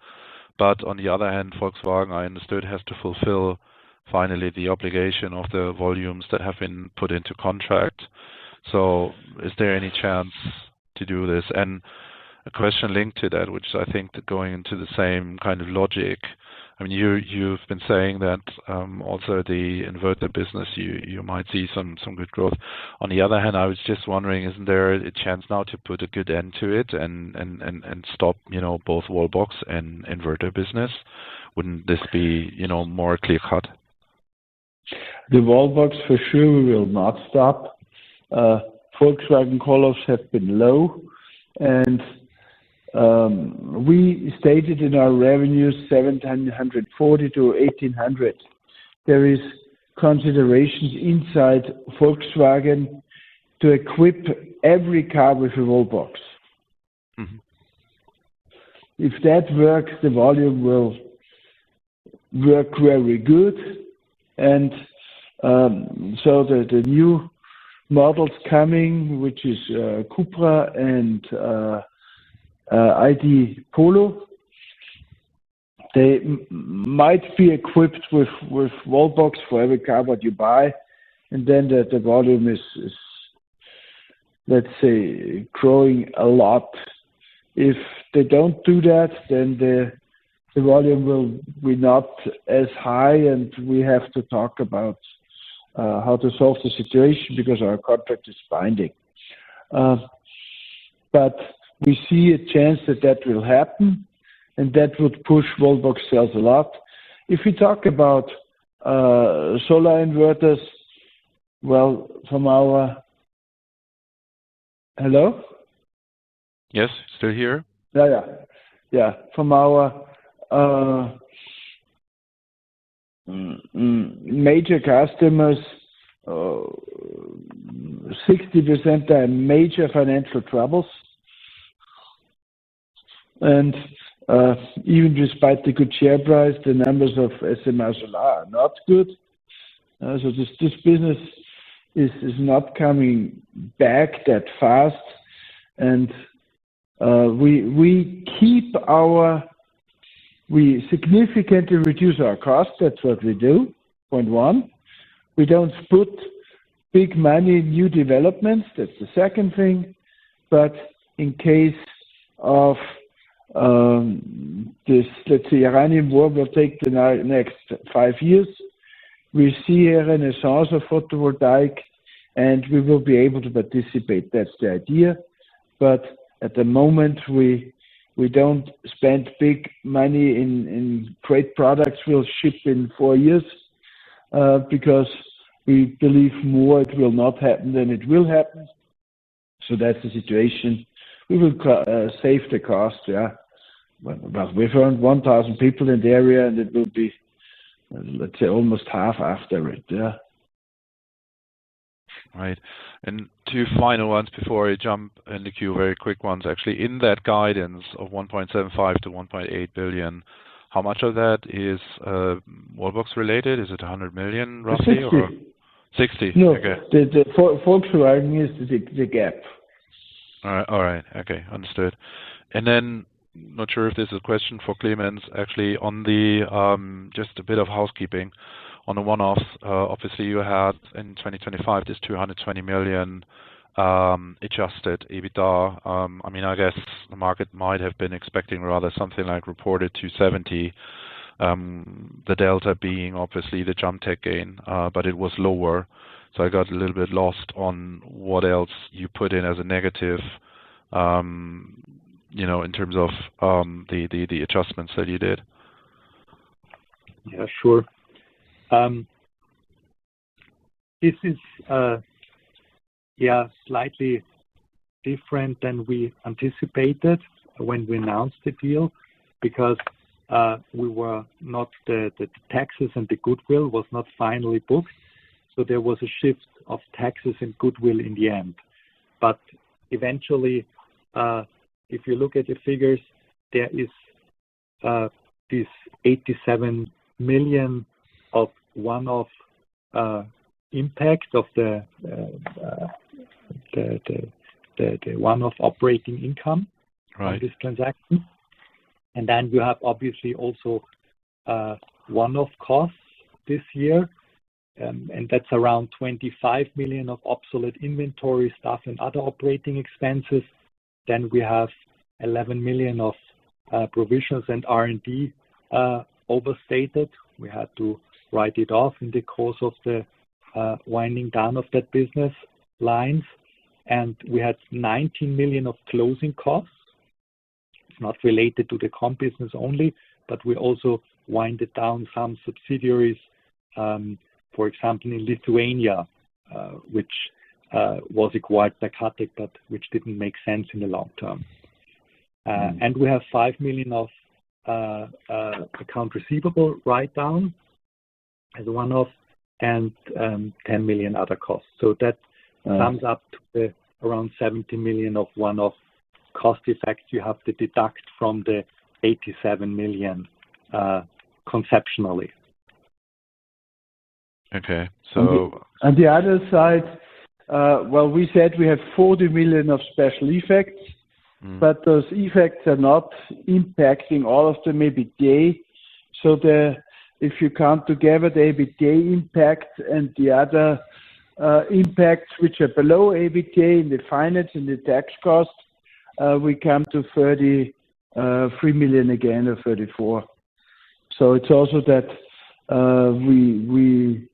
On the other hand, Volkswagen, I understood, has to fulfill finally the obligation of the volumes that have been put into contract. Is there any chance to do this? A question linked to that, which I think going into the same kind of logic. You've been saying that also the inverter business, you might see some good growth. On the other hand, I was just wondering, isn't there a chance now to put a good end to it and stop both wallbox and inverter business? Wouldn't this be more clear-cut? The wallbox, for sure, we will not stop. Volkswagen call-offs have been low, and we stated our revenues 1,740-1,800. There is considerations inside Volkswagen to equip every car with a wallbox. Mm-hmm. If that works, the volume will work very good. The new models coming, which is Cupra and ID. Polo, they might be equipped with wallbox for every car what you buy. The volume is, let's say, growing a lot. If they don't do that, the volume will be not as high and we have to talk about how to solve the situation because our contract is binding. We see a chance that that will happen, and that would push wallbox sales a lot. If you talk about solar inverters, well, from our... Hello? Yes, still here. Yeah. From our major customers, 60% are in major financial troubles. Even despite the good share price, the numbers of SMA Solar are not good. This business is not coming back that fast. We significantly reduce our cost. That's what we do, point one. We don't put big money in new developments. That's the second thing. In case of this, let's say, Iranian war will take the next five years, we see a renaissance of photovoltaic, and we will be able to participate. That's the idea. At the moment, we don't spend big money in great products we'll ship in four years, because we believe more it will not happen than it will happen. That's the situation. We will save the cost, yeah. We have 1,000 people in the area, and it will be, let's say, almost half after it, yeah. Right. Two final ones before I jump in the queue. Very quick ones, actually. In that guidance of 1.75 billion-1.8 billion, how much of that is wallbox related? Is it 100 million roughly? It's 60. 60? Okay. No. Volkswagen is the gap. All right. Okay. Understood. Not sure if this is a question for Clemens. Actually, just a bit of housekeeping. On a one-off, obviously you had in 2025 this 220 million adjusted EBITDA. I guess the market might have been expecting rather something like reported 270, the delta being obviously the KATEK gain, but it was lower. I got a little bit lost on what else you put in as a negative, in terms of the adjustments that you did. Yeah, sure. This is slightly different than we anticipated when we announced the deal, because the taxes and the goodwill was not finally booked. There was a shift of taxes and goodwill in the end. Eventually, if you look at the figures, there is this 87 million of one-off impact of the one-off operating income... Right. of this transaction. You have obviously also one-off costs this year, and that's around 25 million of obsolete inventory stuff and other operating expenses. We have 11 million of provisions and R&D overstated. We had to write it off in the course of the winding down of that business line. We had 19 million of closing costs, not related to the COM business only, but we also wound down some subsidiaries, for example, in Lithuania, which was acquired by KATEK, but which didn't make sense in the long term. Mm-hmm. We have 5 million of accounts receivable write-down as one-off and 10 million other costs. That sums up to around 70 million of one-off cost effects you have to deduct from the 87 million, conceptually. Okay. On the other side, well, we said we have 40 million of special effects. Mm-hmm Those effects are not impacting all of the EBITDA. If you count together the EBITDA impact and the other impacts, which are below EBITDA in the finance and the tax costs, we come to 33 million again or 34 million. It's also that we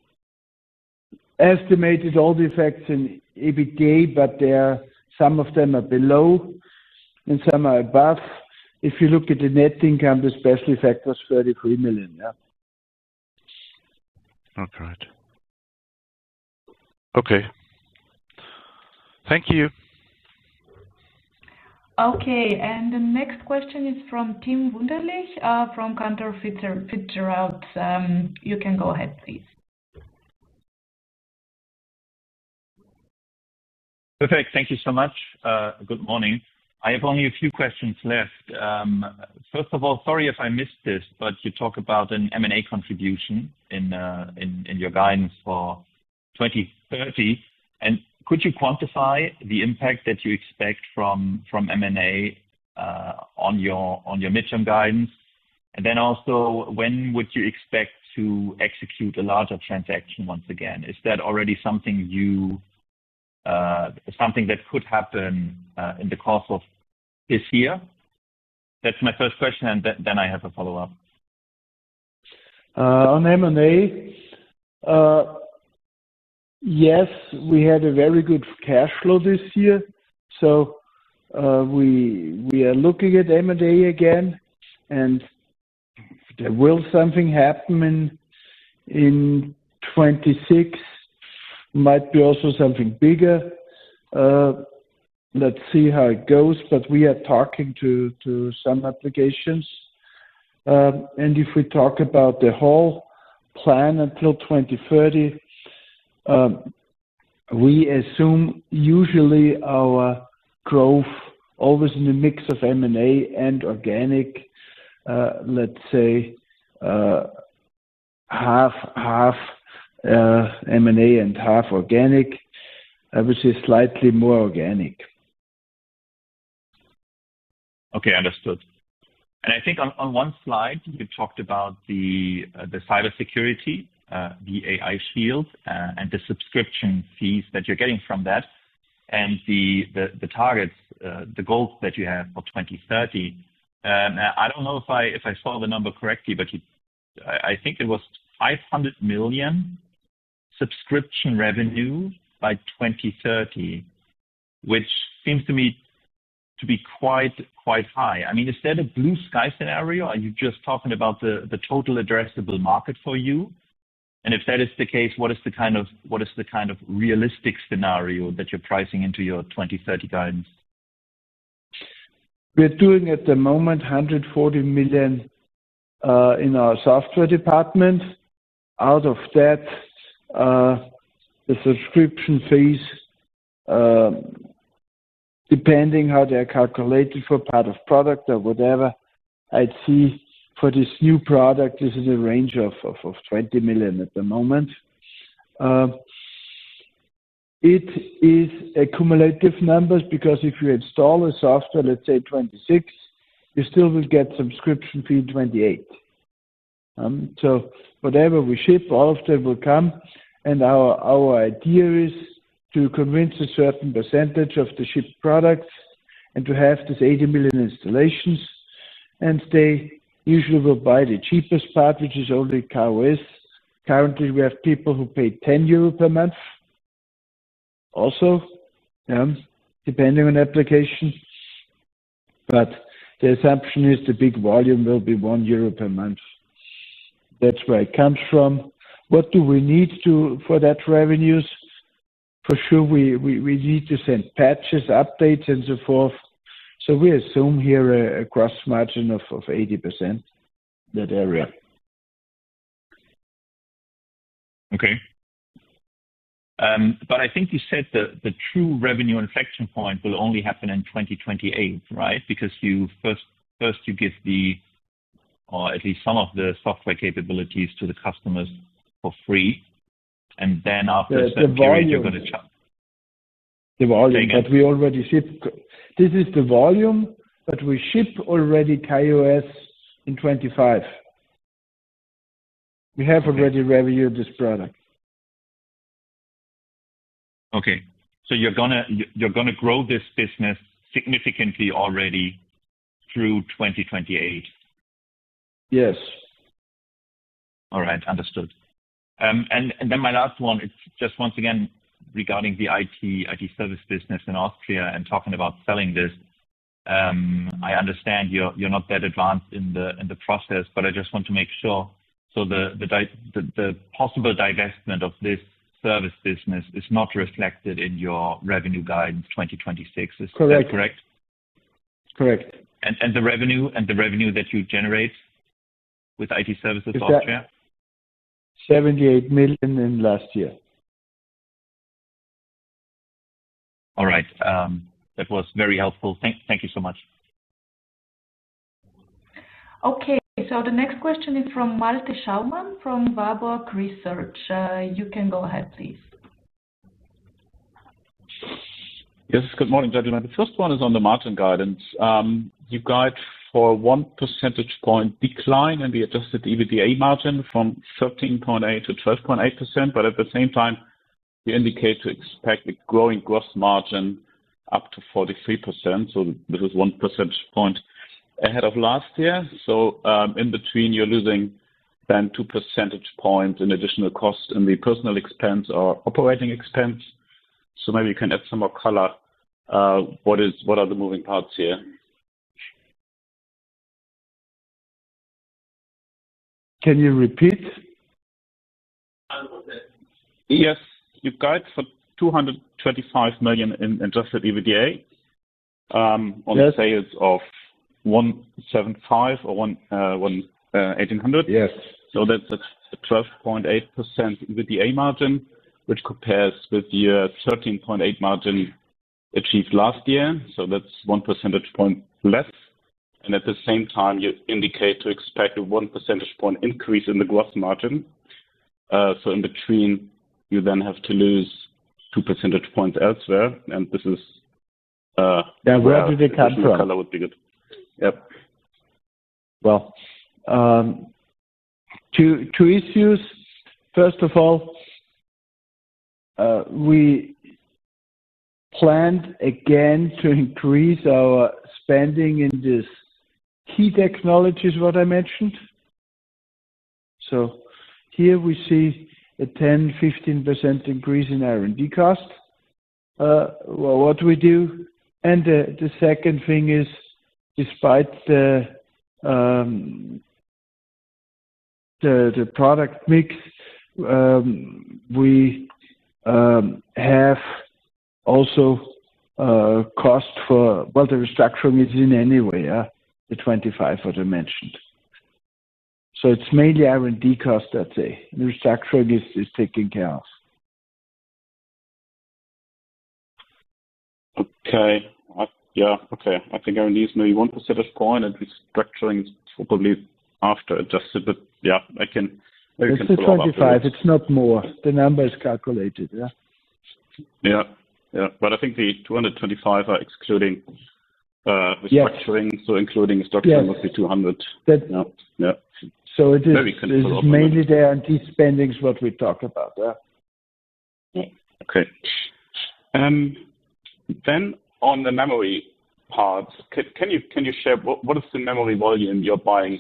estimated all the effects in EBITDA, but some of them are below and some are above. If you look at the net income, the special effect was 33 million, yeah. Okay. Thank you. Okay. The next question is from Tim Wunderlich from Cantor Fitzgerald. You can go ahead, please. Perfect. Thank you so much. Good morning. I have only a few questions left. First of all, sorry if I missed this, but you talk about an M&A contribution in your guidance for 2030. Could you quantify the impact that you expect from M&A on your midterm guidance? When would you expect to execute a larger transaction once again? Is that already something that could happen in the course of this year? That's my first question, and then I have a follow-up. On M&A, yes, we had a very good cash flow this year, so we are looking at M&A again, and there will be something happen in 2026. Might be also something bigger. Let's see how it goes, but we are talking to some applications. If we talk about the whole plan until 2030, we assume usually our growth always in the mix of M&A and organic. Let's say, half M&A and half organic, which is slightly more organic. Okay. Understood. I think on one slide, you talked about the cybersecurity, the AIShield, and the subscription fees that you're getting from that, and the targets, the goals that you have for 2030. I don't know if I follow the number correctly, but I think it was 500 million subscription revenue by 2030, which seems to me to be quite high. Is that a blue sky scenario? Are you just talking about the total addressable market for you? If that is the case, what is the kind of realistic scenario that you're pricing into your 2030 guidance? We're doing at the moment 140 million in our software department. Out of that, the subscription fees, depending how they're calculated for part of product or whatever, I'd see for this new product, this is a range of 20 million at the moment. It is a cumulative number because if you install a software, let's say 26, you still will get subscription fee 28. Whatever we ship, all of them will come, and our idea is to convince a certain percentage of the shipped products and to have this 80 million installations, and they usually will buy the cheapest part, which is only K-OS. Currently, we have people who pay 10 euro per month also, depending on application. The assumption is the big volume will be 1 euro per month. That's where it comes from. What do we need for that revenues? For sure, we need to send patches, updates, and so forth. We assume here a gross margin of 80% in that area. Okay. I think you said the true revenue inflection point will only happen in 2028, right? Because first you give at least some of the software capabilities to the customers for free, and then after a certain period, you're going to charge. The volume that we already ship. This is the volume that we ship already, K-OS in 2025. We have already revenue this product. Okay. You're going to grow this business significantly already through 2028? Yes. All right. Understood. My last one is just once again regarding the IT service business in Austria and talking about selling this. I understand you're not that advanced in the process, but I just want to make sure. The possible divestment of this service business is not reflected in your revenue guide in 2026. Is that correct? Correct. The revenue that you generate with IT services software? 78 million in last year. All right. That was very helpful. Thank you so much. Okay, the next question is from Malte Schaumann from Warburg Research. You can go ahead, please. Yes. Good morning, gentlemen. The first one is on the margin guidance. You guide for 1 percentage point decline in the adjusted EBITDA margin from 13.8%-12.8%, but at the same time, you indicate to expect a growing gross margin up to 43%, so this is 1 percentage point ahead of last year. In between, you're losing then 2 percentage points in additional cost in the personnel expense or operating expense. Maybe you can add some more color, what are the moving parts here? Can you repeat? Yes. Your guide for 225 million in adjusted EBITDA... Yes. on sales of 175 or 180. Yes. That's a 12.8% EBITDA margin, which compares with your 13.8% margin achieved last year. That's one percentage point less. At the same time, you indicate to expect a 1 percentage point increase in the gross margin. In between, you then have to lose 2 percentage points elsewhere. This is... Yeah, where do they come from? a little more color would be good. Yep. Well, two issues. First of all, we planned again to increase our spending in these key technologies, what I mentioned. Here we see a 10%-15% increase in R&D cost. Well, what we do, and the second thing is despite the product mix, we have also cost for the restructuring. Anyway, the 25 that I mentioned. It's mainly R&D cost, I'd say. Restructuring is taken care of. Okay. Yeah. I think R&D is maybe 1 percentage point and restructuring is probably after adjusted, but yeah, I can follow up. It's the 25. It's not more. The number is calculated, yeah. Yeah. I think the 225 are excluding restructuring. Yes. Including restructuring must be 200. Yes. Yeah. Very clear. Follow up. It is mainly the R&D spending what we talk about, yeah. Okay. On the memory part, can you share what is the memory volume you're buying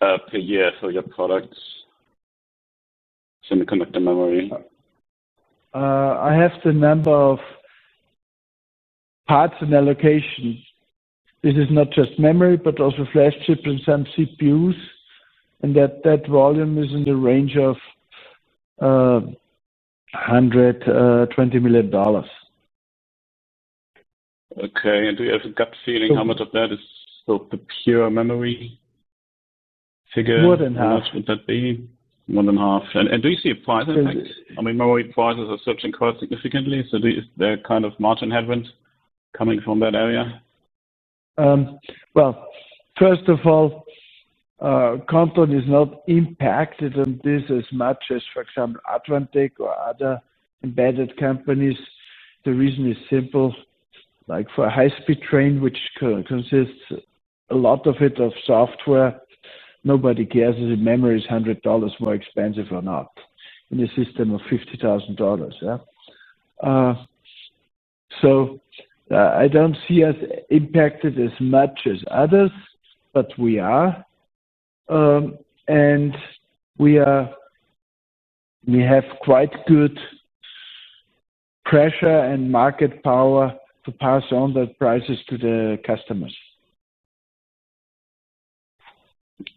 per year for your products, semiconductor memory? I have the number of parts and allocation. This is not just memory, but also flash chip and some CPUs, and that volume is in the range of $120 million. Okay. Do you have a gut feeling how much of that is the pure memory figure? More than half. How much would that be? More than half. Do you see a price effect? I mean, memory prices are surging quite significantly, so is there a kind of margin headroom coming from that area? Well, first of all, Kontron is not impacted on this as much as, for example, Advantech or other embedded companies. The reason is simple. For a high-speed train, which consists a lot of it of software, nobody cares if the memory is $100 more expensive or not in a system of $50,000. So I don't see us impacted as much as others, but we are. We have quite good pressure and market power to pass on the prices to the customers.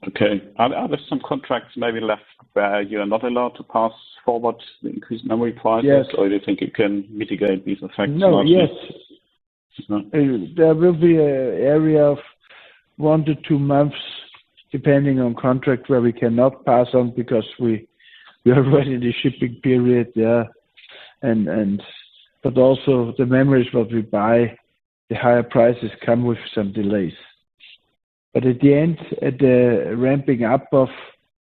Okay. Are there some contracts maybe left where you are not allowed to pass forward the increased memory prices? Yes. Do you think you can mitigate these effects? No. Yes. No? There will be an area of one to two months, depending on contract, where we cannot pass on because we are already in the shipping period. Also the memories what we buy, the higher prices come with some delays. At the end, at the ramping up of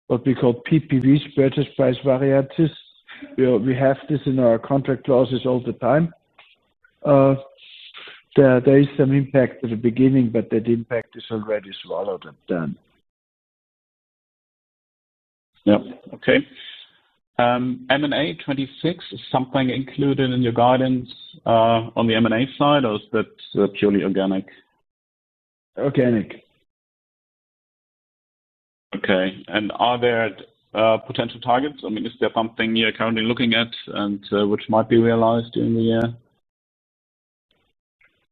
what we call PPVs, Purchase Price Variances, we have this in our contract clauses all the time. There is some impact at the beginning, but that impact is already swallowed and done. Yep. Okay. M&A 2026, is something included in your guidance on the M&A side, or is that purely organic? Organic. Okay. Are there potential targets? Is there something you're currently looking at and which might be realized during the year?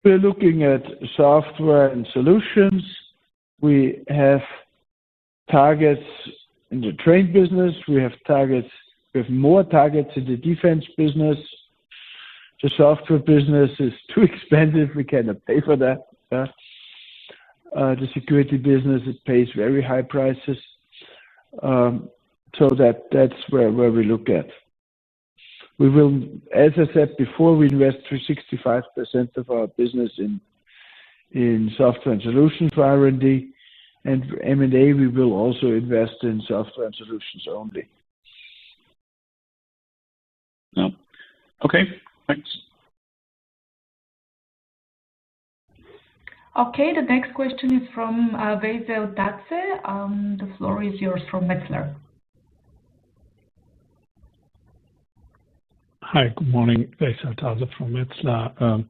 We're looking at software and solutions. We have targets in the train business. We have more targets in the defense business. The software business is too expensive. We cannot pay for that. The security business, it pays very high prices. So that's where we look at. As I said before, we invest 65% of our business in software and solutions for R&D. For M&A, we will also invest in software and solutions only. Okay. Thanks. Okay. The next question is from Veysel Taze. The floor is yours from Metzler. Hi, good morning. Veysel Taze from Metzler. A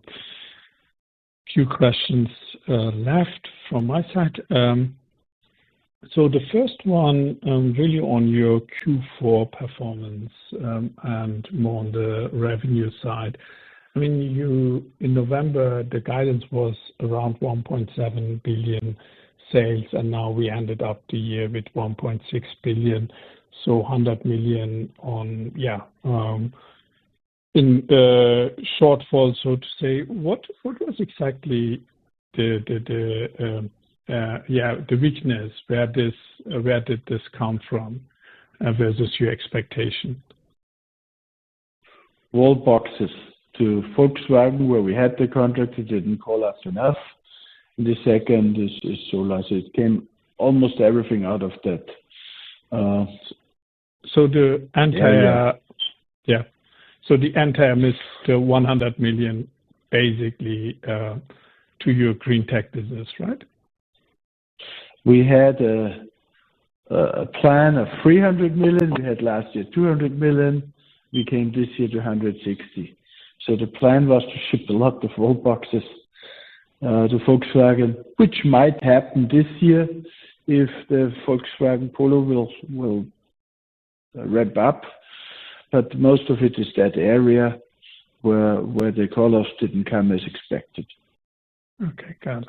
few questions left from my side. The first one, really on your Q4 performance, and more on the revenue side. In November, the guidance was around 1.7 billion sales, and now we ended up the year with 1.6 billion. 100 million in the shortfall, so to say. What was exactly the weakness? Where did this come from versus your expectation? Wallboxes to Volkswagen, where we had the contract. They didn't call us enough in the second. It came almost everything out of that. So the entire... Yeah, yeah. The entire miss 100 million basically to your GreenTec business, right? We had a plan of 300 million. We had last year 200 million. We came this year to 160 million. The plan was to ship a lot of wallboxes to Volkswagen, which might happen this year if the Volkswagen Polo will ramp up. Most of it is that area where the call-offs didn't come as expected. Okay, got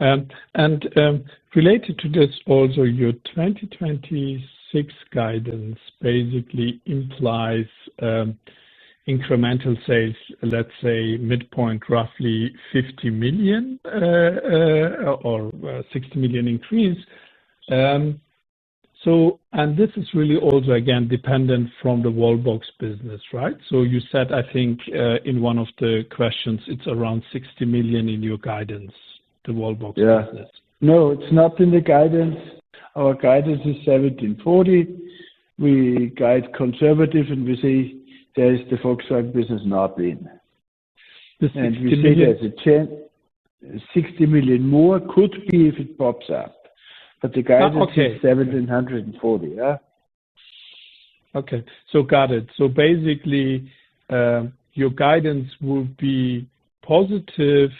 it. Related to this also, your 2026 guidance basically implies incremental sales, let's say midpoint, roughly 50 million or 60 million increase. This is really also, again, dependent from the wallbox business, right? You said, I think, in one of the questions, it's around 60 million in your guidance, the wallbox business. No, it's not in the guidance. Our guidance is 1,740. We guide conservative, and we say there is the Volkswagen business not in. The 60 million. 60 million more could be if it pops up, but the guidance... Okay. is 1,740, yeah. Okay. Got it. Basically, your guidance will be positively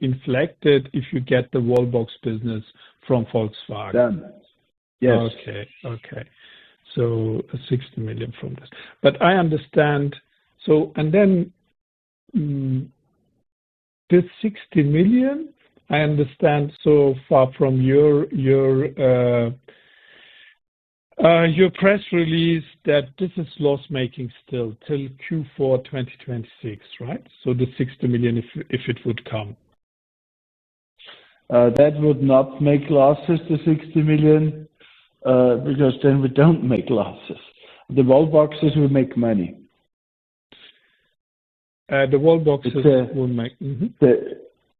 inflected if you get the wallbox business from Volkswagen. Done. Yes. Okay. EUR 60 million from this. I understand. Then this 60 million, I understand so far from your press release that this is loss-making still till Q4 2026, right? The 60 million, if it would come. That would not make losses, the 60 million, because then we don't make losses. The wallboxes will make money. The wallboxes won't make. Mm-hmm.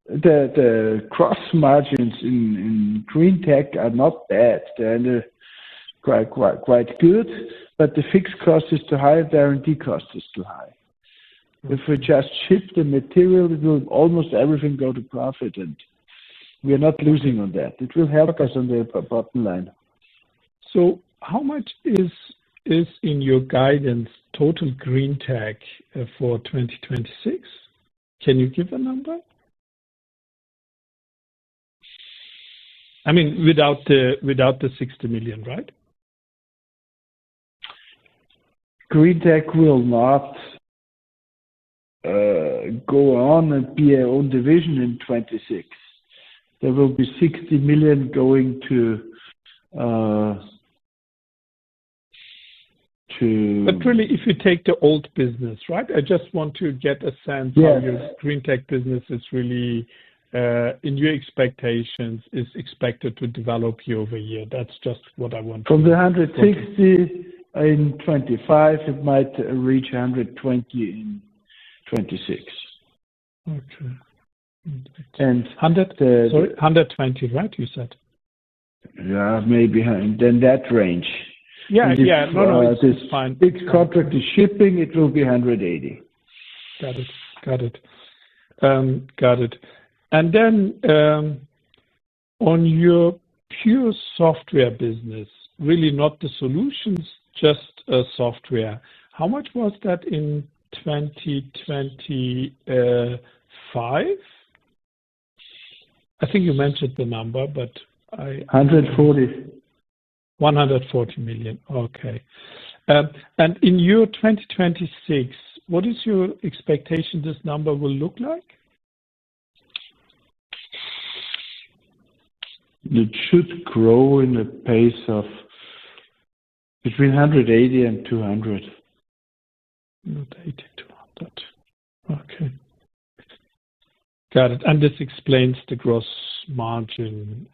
The gross margins in GreenTec are not bad. They're quite good, but the fixed cost is too high, the R&D cost is too high. If we just ship the material, almost everything go to profit and we are not losing on that. It will help us on the bottom line. How much is in your guidance total GreenTec for 2026? Can you give a number? I mean, without the 60 million, right? GreenTec will not go on and be our own division in 2026. There will be 60 million going to... Actually, if you take the old business, right? I just want to get a sense of... Yeah. how your GreenTec business is really, in your expectations, is expected to develop year-over-year. That's just what I want. From the 160 in 2025, it might reach 120 in 2026. Okay. And- 100? Sorry, 120, right? You said. Yeah. Maybe. In that range. Yeah. No, it's fine. If this big contract is shipping, it will be 180. Got it. On your pure software business, really not the solutions, just software. How much was that in 2025? I think you mentioned the number, but I... 140. 140 million. Okay. In your 2026, what is your expectation this number will look like? It should grow at a pace between 180 and 200. 180, 200. Okay. Got it. This explains the gross margin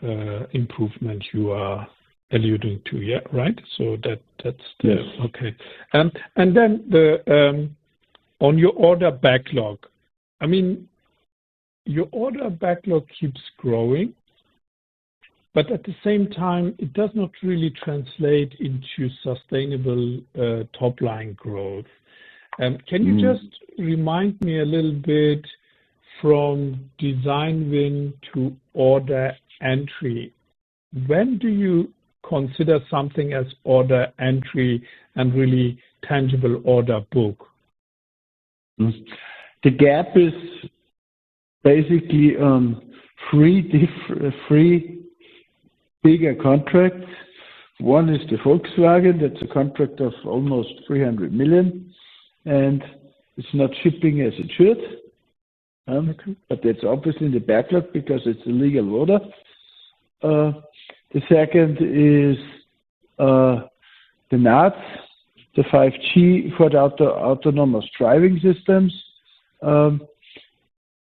improvement you are alluding to, yeah. Right? That's the. Yes. Okay. On your order backlog, I mean, your order backlog keeps growing, but at the same time, it does not really translate into sustainable top line growth. Can you just remind me a little bit from design win to order entry? When do you consider something as order entry and really tangible order book? The gap is basically on three bigger contracts. One is the Volkswagen, that's a contract of almost 300 million, and it's not shipping as it should. Okay. That's obviously in the backlog because it's a legal order. The second is the NAD, the 5G for the autonomous driving systems.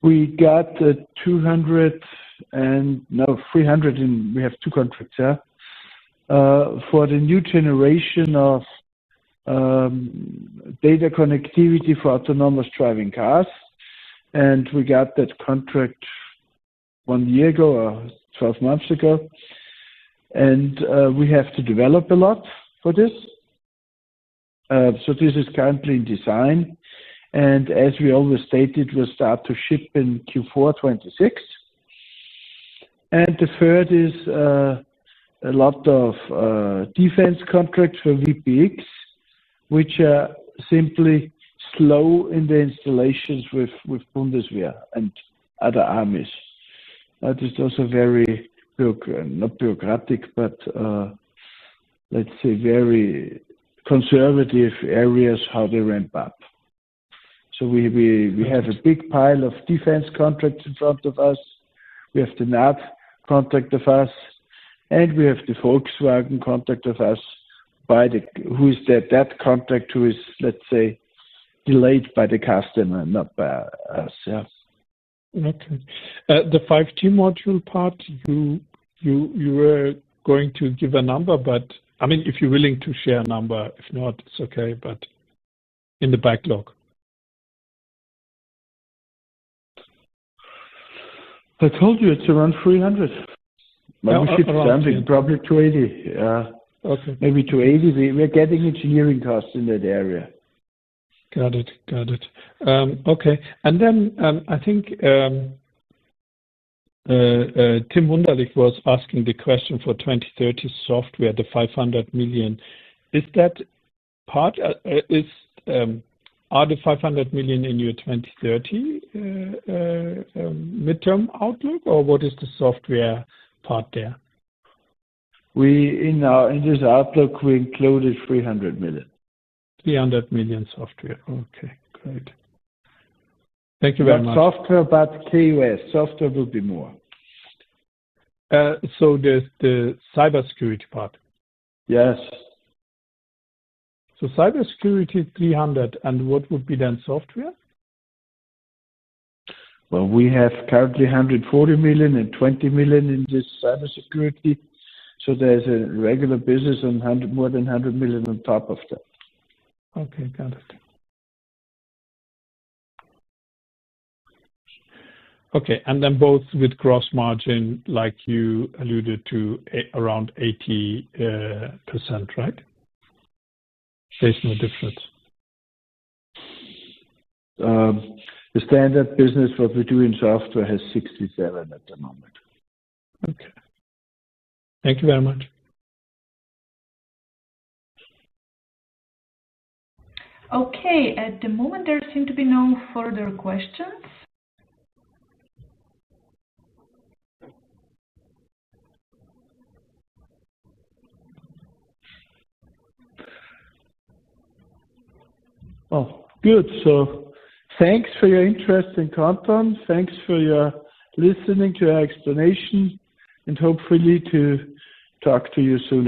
We got the 300 and we have two contracts, yeah. For the new generation of data connectivity for autonomous driving cars. We got that contract one year ago, or 12 months ago. We have to develop a lot for this. This is currently in design, and as we always stated, we'll start to ship in Q4 2026. The third is a lot of defense contracts for VPX, which are simply slow in the installations with Bundeswehr and other armies. That is also very, not bureaucratic, but, let's say very conservative areas, how they ramp up. We have a big pile of defense contracts in front of us. We have the NAD contract with us, and we have the Volkswagen contract with us, which is, let's say, delayed by the customer, not by us. Yes. Okay. The 5G module part, you were going to give a number, but I mean, if you're willing to share a number, if not, it's okay. But in the backlog. I told you it's around 300. When we ship something, probably 280. Yeah. Okay. Maybe 280. We are getting engineering costs in that area. Got it. Okay. I think Tim Wunderlich was asking the question for 2030 software, the 500 million. Are the 500 million in your 2030 midterm outlook, or what is the software part there? In this outlook, we included 300 million. 300 million software. Okay, great. Thank you very much. We have software, but K-OS software will be more. The cybersecurity part? Yes. Cybersecurity 300, and what would be then software? Well, we have currently 140 million and 20 million in this cybersecurity. There's a regular business and more than 100 million on top of that. Okay. Got it. Okay, and then both with gross margin like you alluded to, around 80%, right? There's no difference. The standard business what we do in software has 67 at the moment. Okay. Thank you very much. Okay. At the moment, there seem to be no further questions. Oh, good. Thanks for your interest in Kontron. Thanks for your listening to our explanation, and hopefully to talk to you soon.